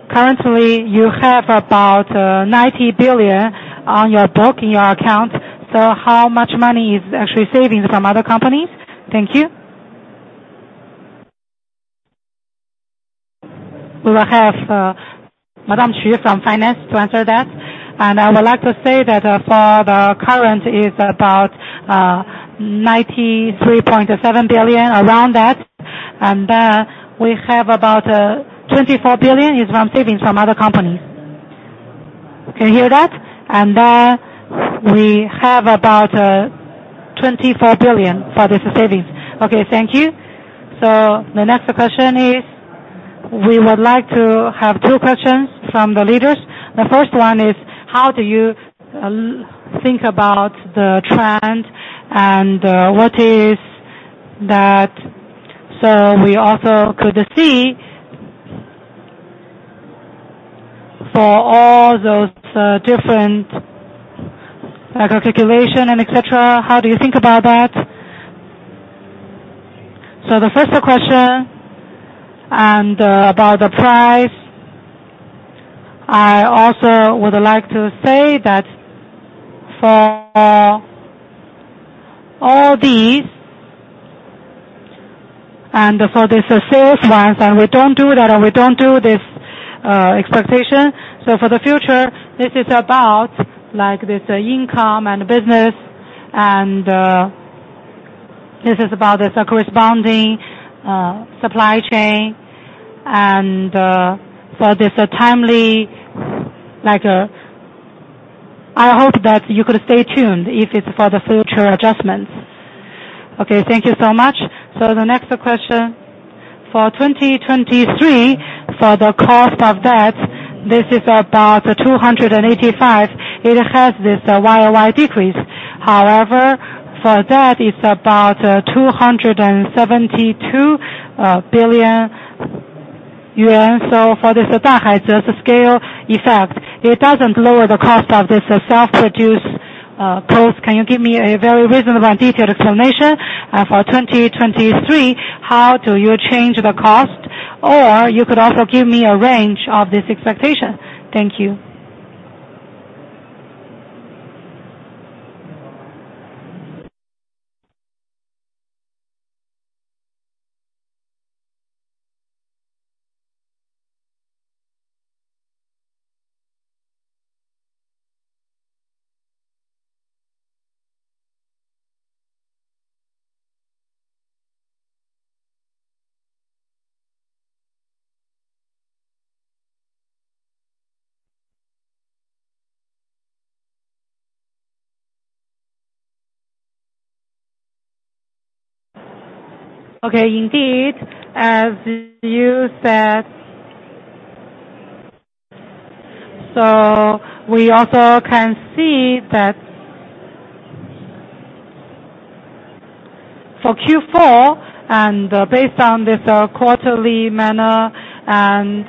Currently, you have about 90 billion on your book in your account. So how much money is actually savings from other companies? Thank you. We will have Madame Xu from finance to answer that. And I would like to say that for the current is about 93.7 billion around that, and we have about 24 billion is from savings from other companies. Can you hear that? And we have about 24 billion for this savings. Okay, thank you. So the next question is... We would like to have two questions from the leaders. The first one is, how do you think about the trend and what is that? So we also could see for all those, different, like, calculation and et cetera, how do you think about that? So the first question, and, about the price, I also would like to say that for all these and for this sales ones, and we don't do that, and we don't do this, expectation. So for the future, this is about, like, this income and business, and, this is about this corresponding, supply chain, and, for this timely, like... I hope that you could stay tuned if it's for the future adjustments. Okay, thank you so much. So the next question: for 2023, for the cost of that, this is about 285. It has this YoY decrease. However, for that, it's about, 272 billion yuan. So for this, the scale effect, it doesn't lower the cost of this self-produced cost. Can you give me a very reasonable and detailed explanation for 2023, how do you change the cost? Or you could also give me a range of this expectation. Thank you. Okay, indeed, as you said. So we also can see that. For Q4, and based on this quarterly manner, and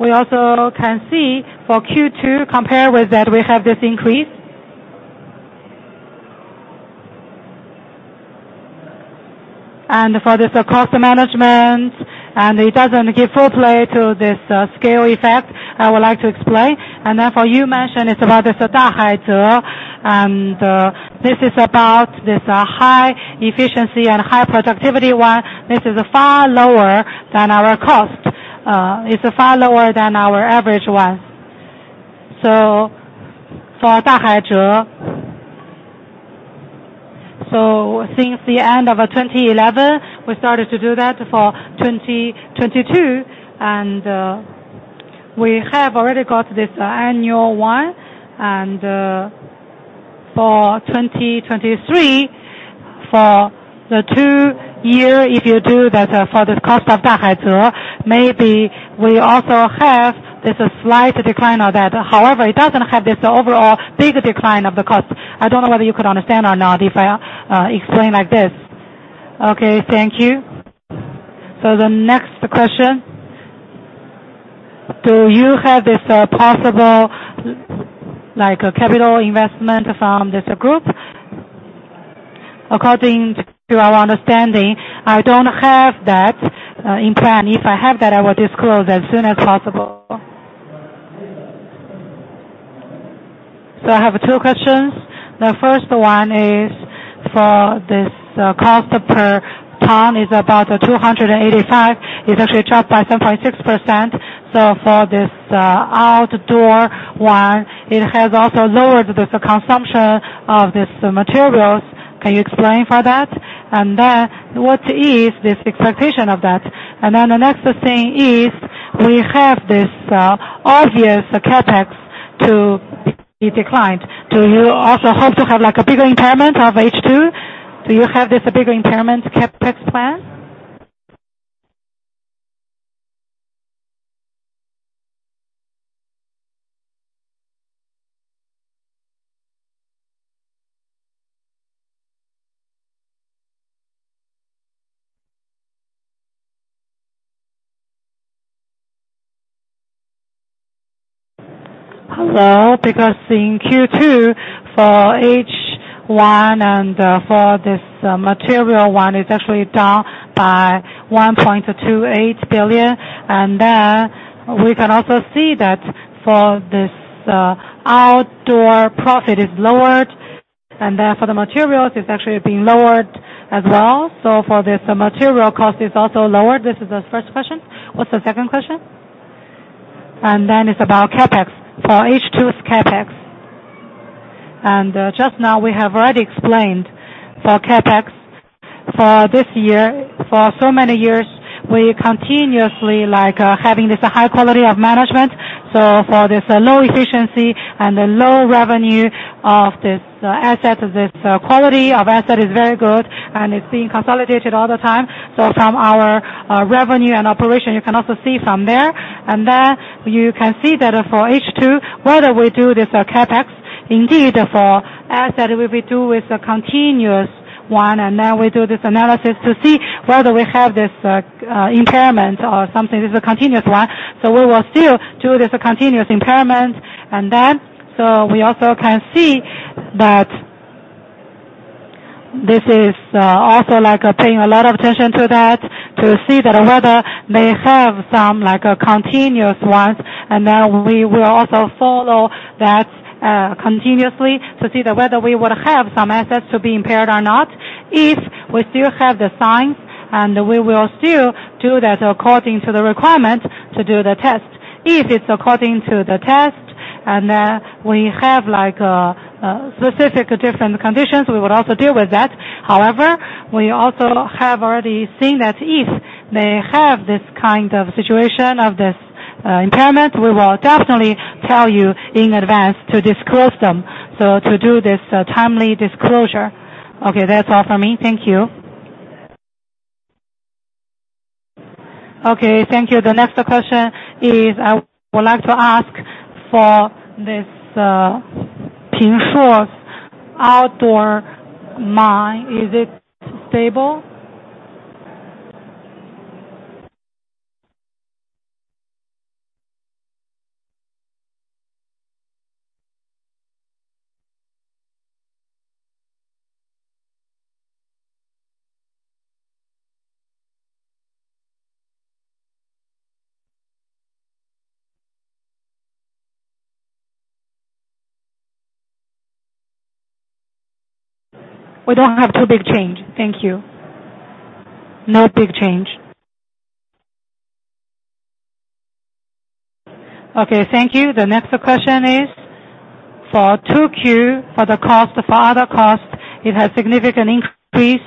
we also can see for Q2, compared with that, we have this increase. And for this cost management, and it doesn't give full play to this scale effect, I would like to explain. And then for you mentioned, it's about this Dahaize, and this is about this high efficiency and high productivity one. This is far lower than our cost. It's far lower than our average one. So for Dahaize, so since the end of 2011, we started to do that for 2022, and we have already got this annual one. And for 2023, for the two year, if you do that for the cost of Dahaize, maybe we also have this slight decline of that. However, it doesn't have this overall big decline of the cost. I don't know whether you could understand or not, if I explain like this. Okay, thank you. So the next question: Do you have this possible, like, a capital investment from this group? According to our understanding, I don't have that in plan. If I have that, I will disclose as soon as possible. So I have two questions. The first one is for this cost per ton is about 285. It actually dropped by 7.6%. So for this, outdoor one, it has also lowered this consumption of this materials. Can you explain for that? And then what is this expectation of that? And then the next thing is, we have this, obvious CapEx to be declined. Do you also hope to have, like, a bigger impairment of H2? Do you have this bigger impairment CapEx plan? Hello, because in Q2, for H1 and, for this, material one, it's actually down by 1.28 billion. And then we can also see that for this, outdoor profit is lowered, and then for the materials, it's actually being lowered as well. So for this, the material cost is also lowered. This is the first question. What's the second question? And then it's about CapEx, for H2's CapEx. Just now we have already explained for CapEx, for this year, for so many years, we continuously like having this high quality of management. So for this low efficiency and the low revenue of this quality of asset is very good, and it's being consolidated all the time. So from our revenue and operation, you can also see from there. Then you can see that for H2, whether we do this CapEx, indeed, for asset, it will be do with the continuous one, and then we do this analysis to see whether we have this impairment or something. This is a continuous one, so we will still do this continuous impairment. And then, so we also can see that this is also like paying a lot of attention to that, to see that whether they have some, like, continuous ones, and then we will also follow that continuously to see that whether we would have some assets to be impaired or not. If we still have the signs, we will still do that according to the requirement to do the test. If it's according to the test, and we have like specific different conditions, we would also deal with that. However, we also have already seen that if they have this kind of situation of this impairment, we will definitely tell you in advance to disclose them, so to do this timely disclosure. Okay, that's all for me. Thank you. Okay, thank you. The next question is, I would like to ask for this, Pingshuo outdoor mine, is it stable? We don't have too big change. Thank you. No big change. Okay, thank you. The next question is for 2Q, for the cost, for other costs, it has significant increase.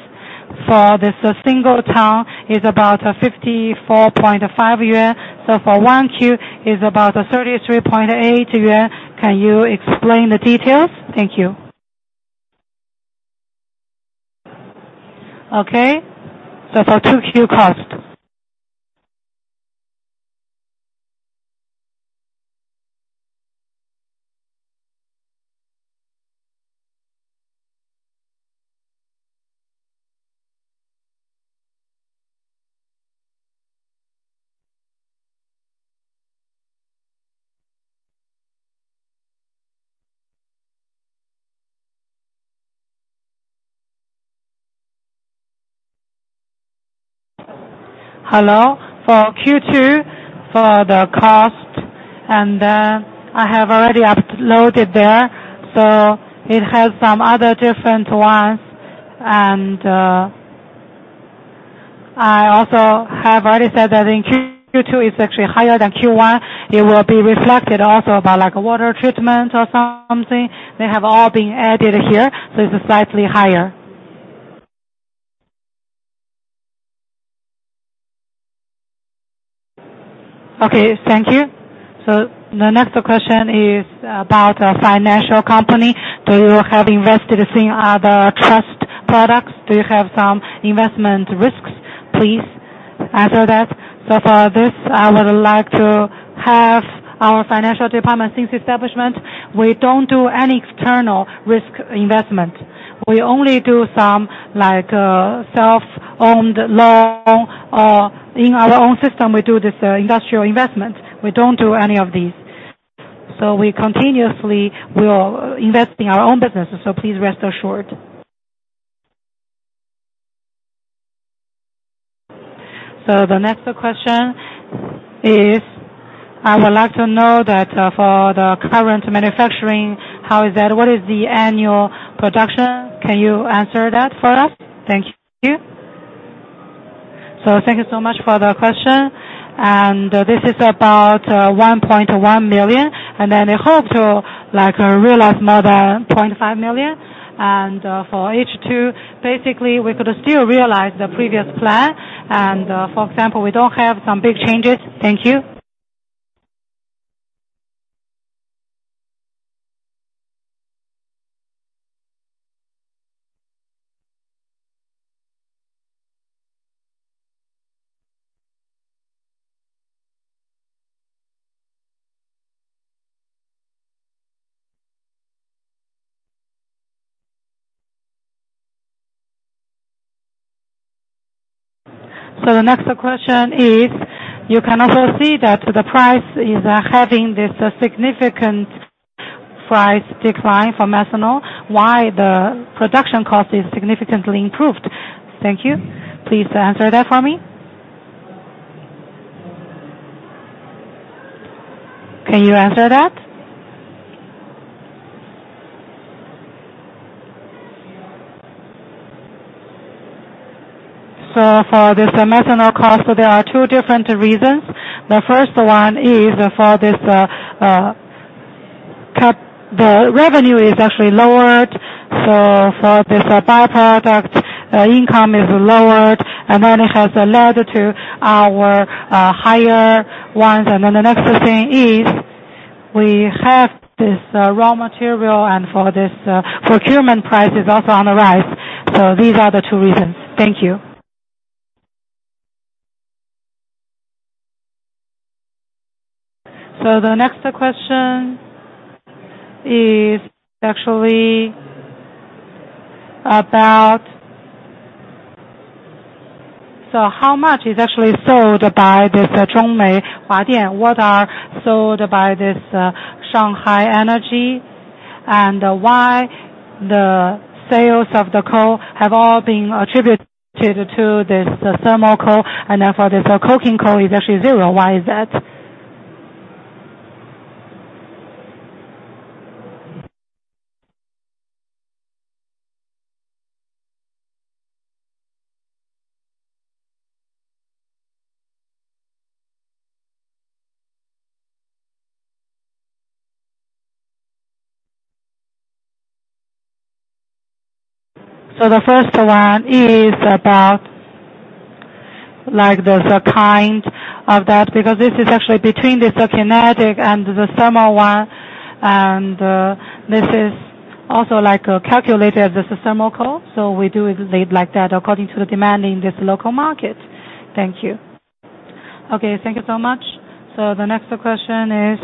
For this, single ton is about 54.5 yuan. So for 1Q is about 33.8 yuan. Can you explain the details? Thank you. Okay, so for 2Q cost?... Hello. For Q2, for the cost, and, I have already uploaded there, so it has some other different ones. And, I also have already said that in Q2, it's actually higher than Q1. It will be reflected also by like water treatment or something. They have all been added here, so it's slightly higher. Okay, thank you. So the next question is about a financial company. Do you have invested in other trust products? Do you have some investment risks? Please answer that. So for this, I would like to have our financial department since establishment. We don't do any external risk investment. We only do some, like, self-owned loan or in our own system, we do this, industrial investment. We don't do any of these. So we continuously, we are investing our own businesses, so please rest assured. So the next question is, I would like to know that, for the current manufacturing, how is that? What is the annual production? Can you answer that for us? Thank you. So thank you so much for the question. And this is about, 1.1 million, and then we hope to like realize more than 0.5 million. For H2, basically, we could still realize the previous plan, and, for example, we don't have some big changes. Thank you. So the next question is, you can also see that the price is having this significant price decline for methanol, why the production cost is significantly improved? Thank you. Please answer that for me. Can you answer that? So for this methanol cost, there are two different reasons. The first one is for this cut, the revenue is actually lowered, so for this by-product, income is lowered and then it has led to our higher ones. Then the next thing is, we have this raw material, and for this procurement price is also on the rise. So these are the two reasons. Thank you. So the next question is actually about... So how much is actually sold by this Zhongmei Huajin? What are sold by this Shanghai Energy? And why the sales of the coal have all been attributed to this, the thermal coal, and therefore this coking coal is actually zero. Why is that? So the first one is about like the kind of that, because this is actually between this coking and the thermal one, and this is also like classified, this is thermal coal. So we do it like that according to the demand in this local market. Thank you. Okay, thank you so much. So the next question is,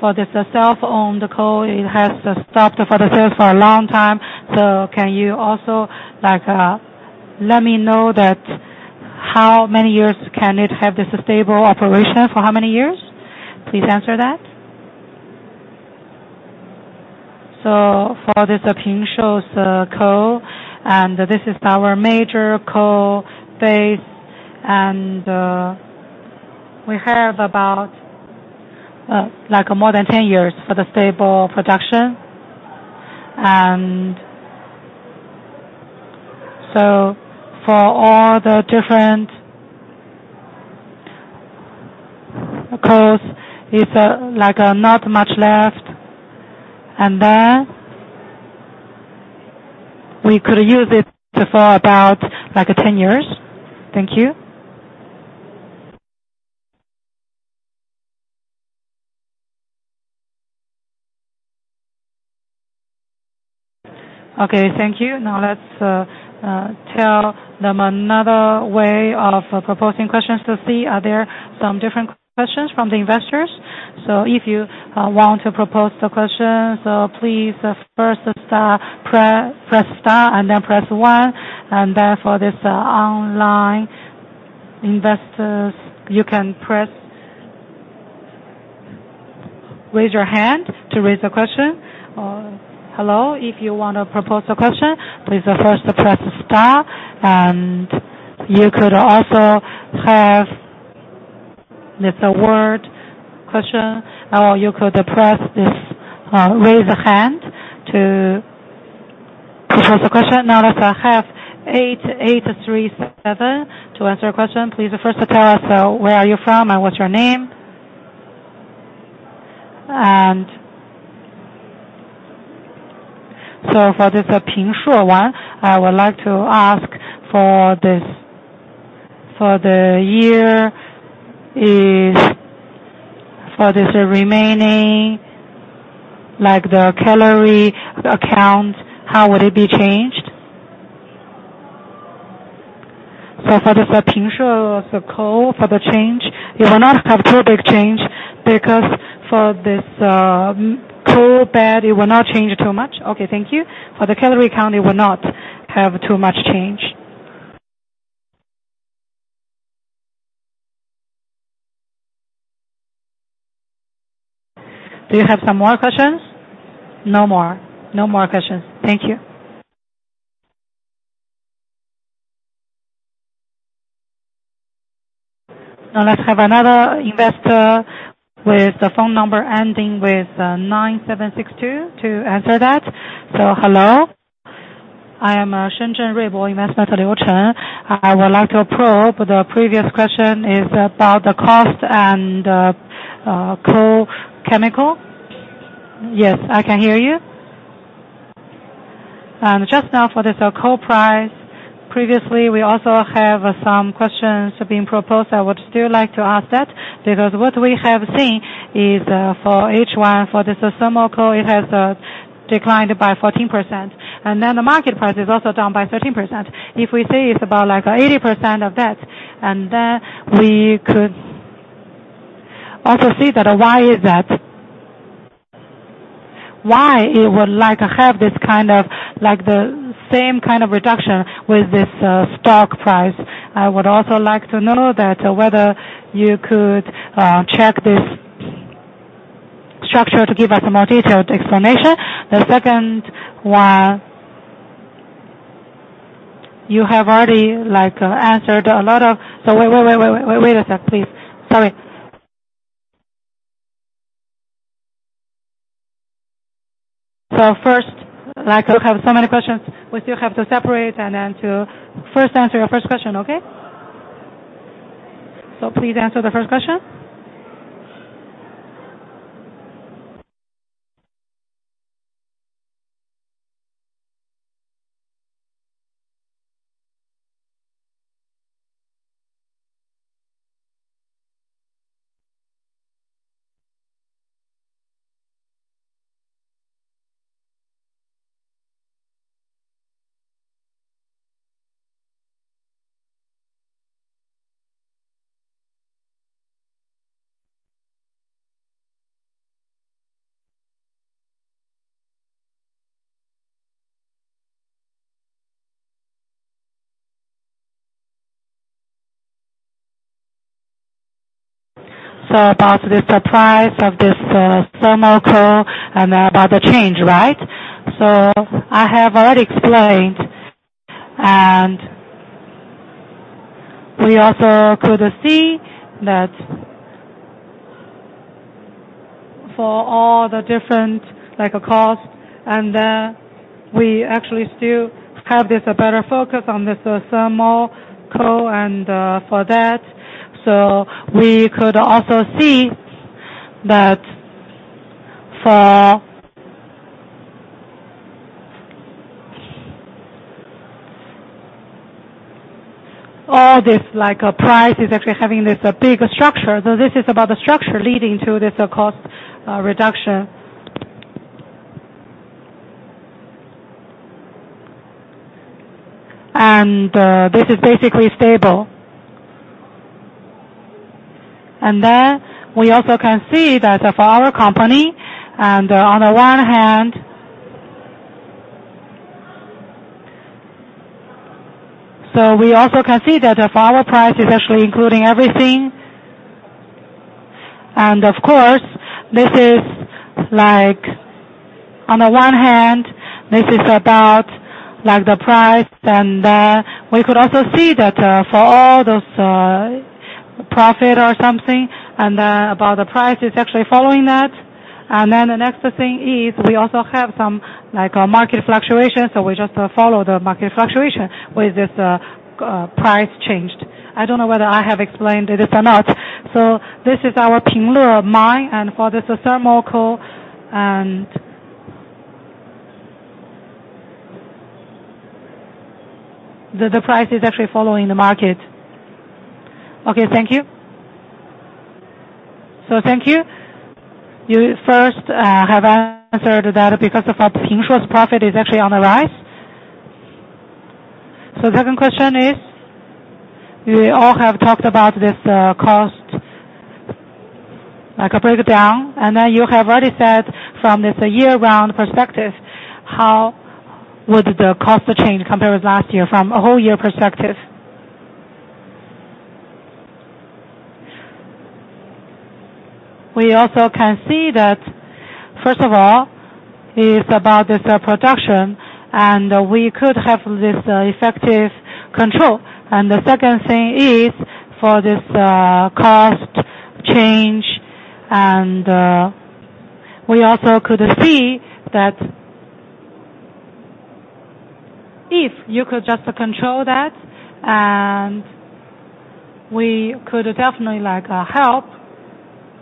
for this self-produced coal, it has stopped for the sales for a long time. So can you also, like, let me know that how many years can it have this stable operation? For how many years? Please answer that. So for this Pingshuo's coal, and this is our major coal base, and we have about, like more than 10 years for the stable production. And so for all the different coals, it's like not much left, and then we could use it for about, like, 10 years. Thank you. Okay, thank you. Now let's tell them another way of proposing questions to see are there some different questions from the investors? So if you want to propose the questions, please first press star, and then press 1, and then for this, online investors, you can press... Raise your hand to raise a question. Hello, if you want to propose a question, please first press star, and you could also have this word question, or you could press this, raise a hand to propose a question. Now let's have 8837 to answer your question. Please first tell us where are you from and what's your name? And so for this Pingshuo, I would like to ask for this, for the year is, for this remaining, like the calorie [count], how would it be changed? So for this Pingshuo, the coal, for the change, it will not have too big change because for this, coal bed, it will not change too much. Okay, thank you. For the calorie count, it will not have too much change. Do you have some more questions? No more. No more questions. Thank you. Now let's have another investor with the phone number ending with 9762 to answer that. So hello, I am. I would like to probe the previous question is about the cost and coal chemical. Yes, I can hear you. And just now for this coal price, previously, we also have some questions being proposed. I would still like to ask that because what we have seen is, for H1, for this thermal coal, it has declined by 14%, and then the market price is also down by 13%. If we say it's about like 80% of that, and then we could also see that why is that? Why it would like to have this kind of, like the same kind of reduction with this stock price? I would also like to know that whether you could check this structure to give us a more detailed explanation. The second one, you have already, like, answered a lot of... So wait, wait, wait, wait, wait, wait a sec, please. Sorry. So first, like, you have so many questions, we still have to separate and then to first answer your first question, okay? So please answer the first question. So about this, the price of this, thermal coal and about the change, right? So I have already explained, and we also could see that for all the different, like, cost, and then we actually still have this, a better focus on this, thermal coal and, for that. So we could also see that for... All this, like, price is actually having this a big structure. So this is about the structure leading to this, cost, reduction. And, this is basically stable. And then we also can see that for our company, and on the one hand... So we also can see that if our price is actually including everything, and of course, this is like on the one hand, this is about like the price, and, we could also see that, for all those, profit or something, and then about the price is actually following that. And then the next thing is we also have some, like, market fluctuation, so we just follow the market fluctuation with this, price changed. I don't know whether I have explained this or not. So this is our Pingshuo mine, and for this, thermal coal. The price is actually following the market. Okay, thank you. So thank you. You first, have answered that because of Pingshuo's profit is actually on the rise. So the second question is, you all have talked about this, cost, like a breakdown, and then you have already said from this year-round perspective, how would the cost change compared with last year from a whole year perspective? We also can see that, first of all, it's about this production, and we could have this effective control. The second thing is, for this, cost change, and, we also could see that. If you could just control that, and we could definitely like, help.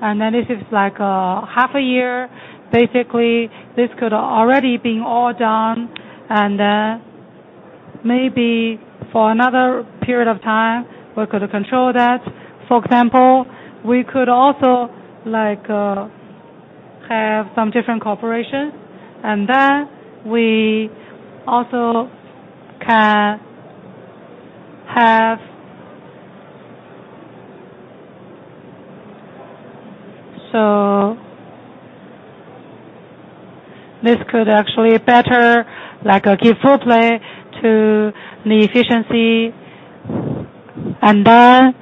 Then this is like a half a year. Basically, this could already been all done, and then maybe for another period of time, we could control that. For example, we could also like, have some different cooperation, and then we also can have. So this could actually better, like, give full play to the efficiency and then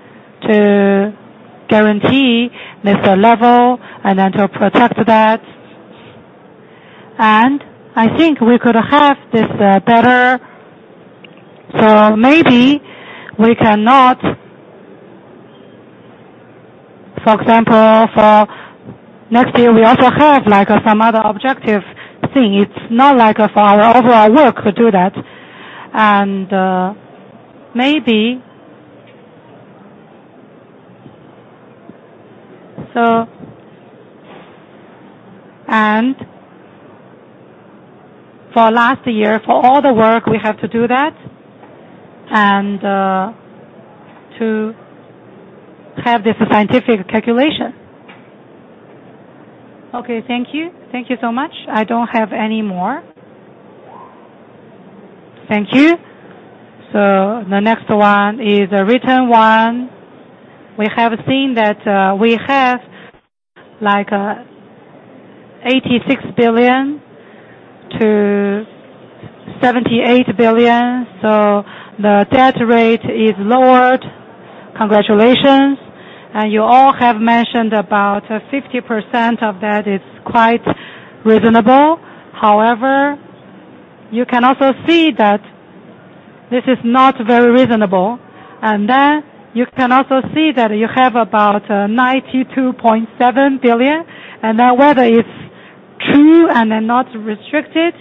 to guarantee this, level and then to protect that. And I think we could have this, better, so maybe we cannot... For example, for next year, we also have, like, some other objective thing. It's not like for our overall work to do that. And, maybe... So, and for last year, for all the work, we have to do that, and, to have this scientific calculation. Okay, thank you. Thank you so much. I don't have any more. Thank you. So the next one is a written one. We have seen that, we have like, 86 billion-78 billion, so the debt rate is lowered. Congratulations. And you all have mentioned about 50% of that is quite reasonable. However, you can also see that this is not very reasonable, and then you can also see that you have about 92.7 billion, and then whether it's true and then not restricted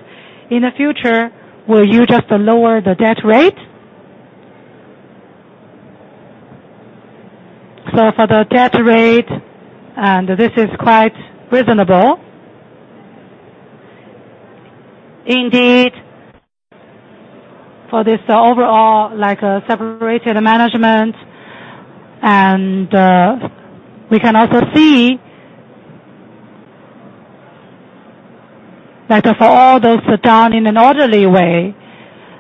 in the future, will you just lower the debt rate? So for the debt rate, and this is quite reasonable. Indeed, for this overall, like, separated management, and we can also see that for all those done in an orderly way,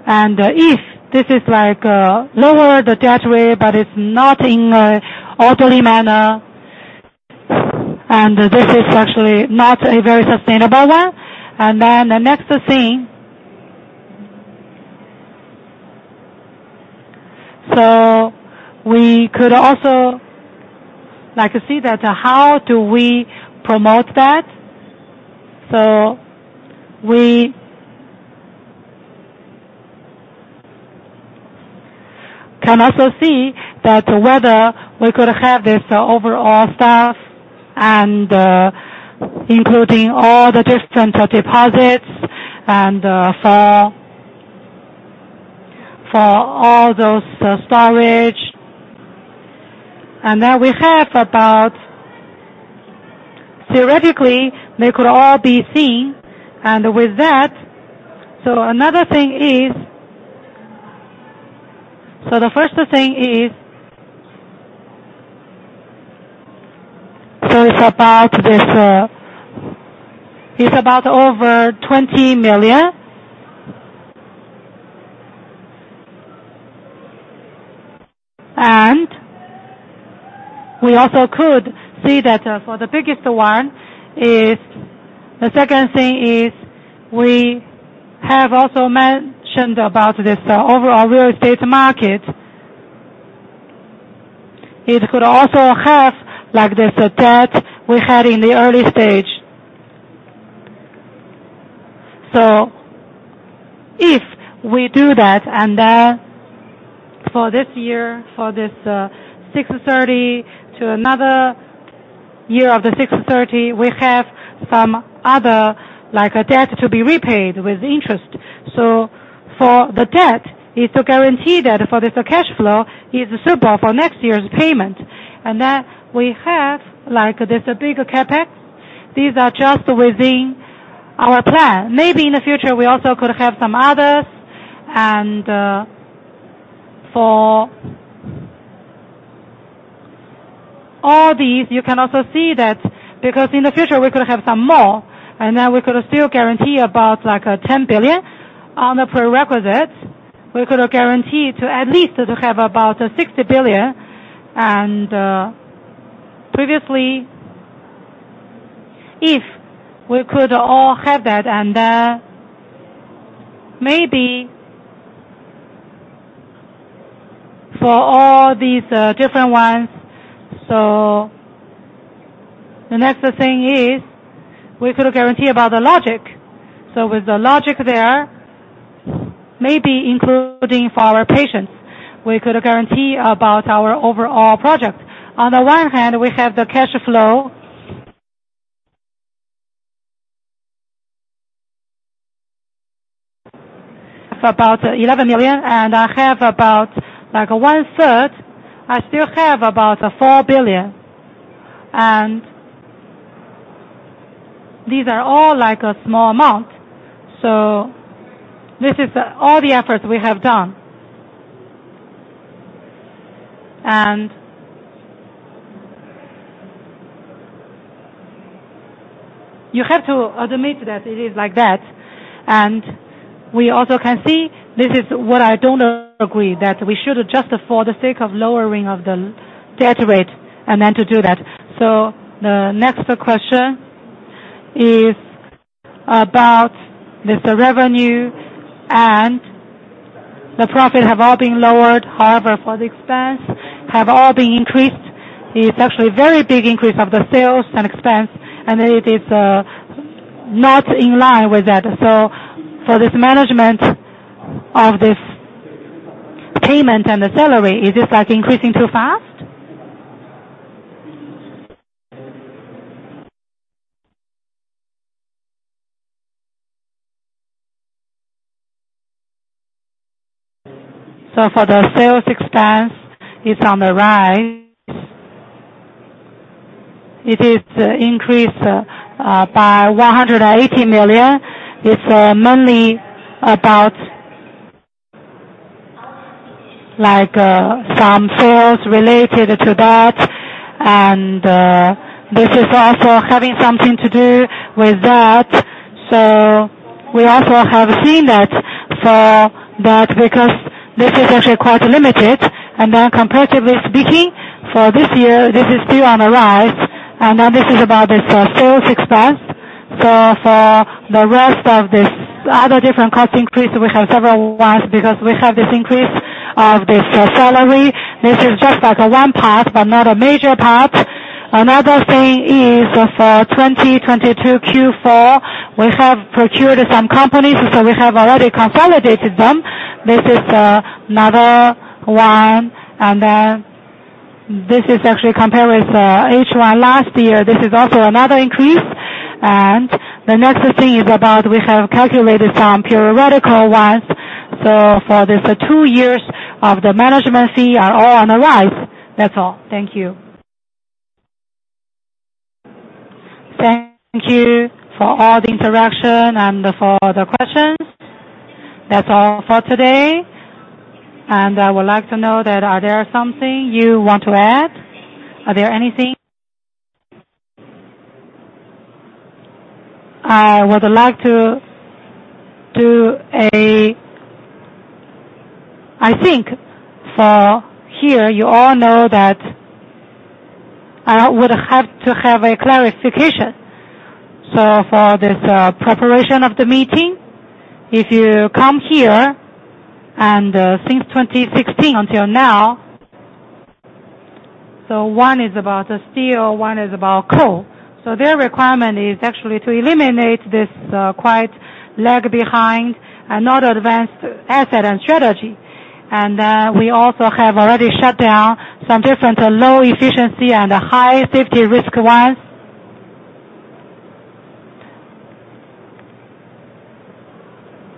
and if this is like lower the debt rate, but it's not in an orderly manner, and this is actually not a very sustainable one. And then the next thing. So we could also, like, see that, how do we promote that? So we can also see that whether we could have this overall staff and, including all the different deposits and, for, for all those storage. Theoretically, they could all be seen. With that, so another thing is. So the first thing is. So it's about this, it's about over 20 million. And we also could see that, for the biggest one is, the second thing is, we have also mentioned about this overall real estate market. It could also have, like, this debt we had in the early stage. So if we do that, and then for this year, for this 6/30 to another year of the 6/30, we have some other, like, a debt to be repaid with interest. So for the debt, is to guarantee that for this cash flow is super for next year's payment. And then we have, like, this big CapEx. These are just within our plan. Maybe in the future, we also could have some others. For all these, you can also see that because in the future we could have some more, and then we could still guarantee about like 10 billion on the prerequisites. We could guarantee to at least to have about 60 billion. Previously, if we could all have that, and maybe for all these different ones. So the next thing is, we could guarantee about the logic. So with the logic there, maybe including for our patients, we could guarantee about our overall project. On the one hand, we have the cash flow. For about 11 million, and I have about, like, one-third. I still have about 4 billion, and these are all, like, a small amount, so this is all the efforts we have done. You have to admit that it is like that. We also can see this is what I don't agree, that we should just for the sake of lowering of the debt rate, and then to do that. So the next question is about this revenue and the profit have all been lowered. However, for the expense, have all been increased. It's actually a very big increase of the sales and expense, and it is not in line with that. So for this management of this payment and the salary, is this, like, increasing too fast? So for the sales expense, it's on the rise. It is increased by 180 million. It's mainly about, like, some sales related to that, and this is also having something to do with that. So we also have seen that for that, because this is actually quite limited. Comparatively speaking, for this year, this is still on the rise, and then this is about this, sales expense. So for the rest of this other different cost increase, we have several ones, because we have this increase of this salary. This is just like a one part, but not a major part. Another thing is for 2022 Q4, we have procured some companies, so we have already consolidated them. This is another one, and then this is actually compared with H1 last year. This is also another increase. And the next thing is about we have calculated some periodical ones. So for this, two years of the management fee are all on the rise. That's all. Thank you. Thank you for all the interaction and for the questions. That's all for today, and I would like to know that are there something you want to add? Are there anything... I would like to do a—I think for here, you all know that I would have to have a clarification. So for this, preparation of the meeting, if you come here and, since 2016 until now, so one is about the steel, one is about coal. So their requirement is actually to eliminate this, quite lag behind and not advanced asset and strategy. And, we also have already shut down some different low efficiency and high safety risk ones.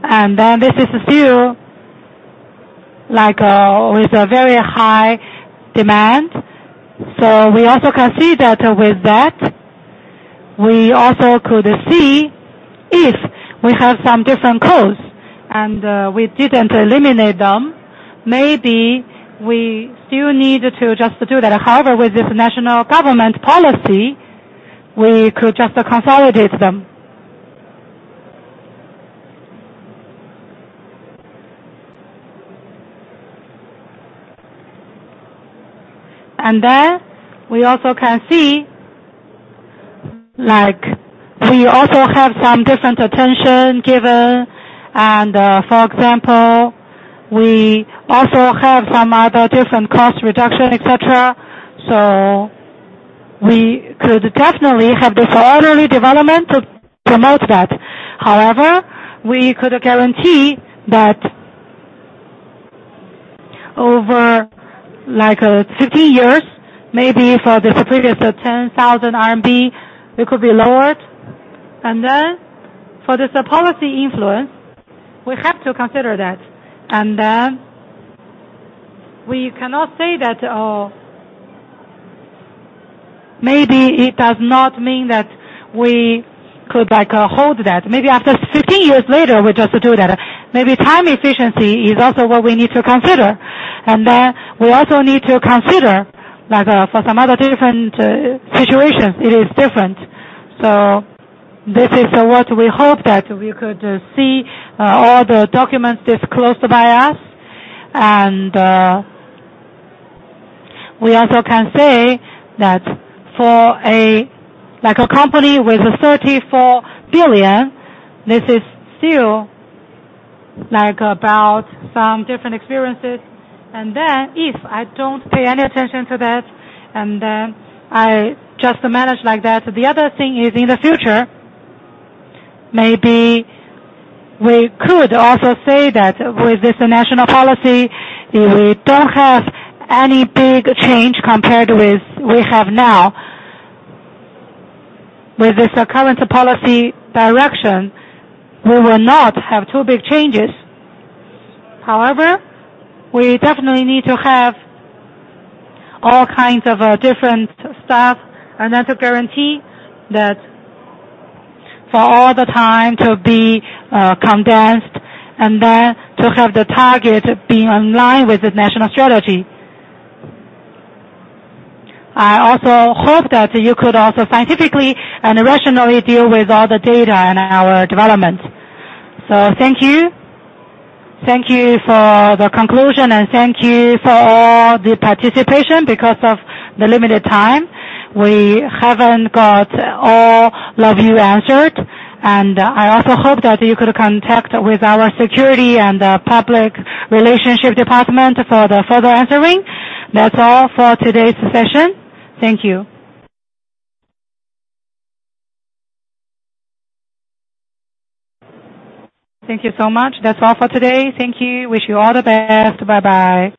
And then this is still, like, with a very high demand. So we also can see that with that, we also could see if we have some different costs, and, we didn't eliminate them. Maybe we still need to just do that. However, with this national government policy, we could just consolidate them. And then we also can see, like, we also have some different attention given, and, for example, we also have some other different cost reduction, et cetera. So we could definitely have this orderly development to promote that. However, we could guarantee that over, like, 15 years, maybe for this previous 10,000 RMB, it could be lowered. And then for this policy influence, we have to consider that. We cannot say that, maybe it does not mean that we could, like, hold that. Maybe after 15 years later, we just do that. Maybe time efficiency is also what we need to consider. And then we also need to consider, like, for some other different situations, it is different. So this is what we hope that we could see all the documents disclosed by us. And we also can say that for a, like a company with a 34 billion, this is still, like, about some different experiences. And then if I don't pay any attention to that, and then I just manage like that, the other thing is, in the future, maybe we could also say that with this national policy, if we don't have any big change compared with we have now, with this current policy direction, we will not have too big changes. However, we definitely need to have all kinds of different staff, and that's a guarantee that for all the time to be condensed and then to have the target be in line with the national strategy. I also hope that you could also scientifically and rationally deal with all the data and our development. So thank you. Thank you for the conclusion, and thank you for all the participation because of the limited time. We haven't got all of you answered, and I also hope that you could contact with our securities and public relations department for the further answering. That's all for today's session. Thank you. Thank you so much. That's all for today. Thank you. Wish you all the best. Bye-bye.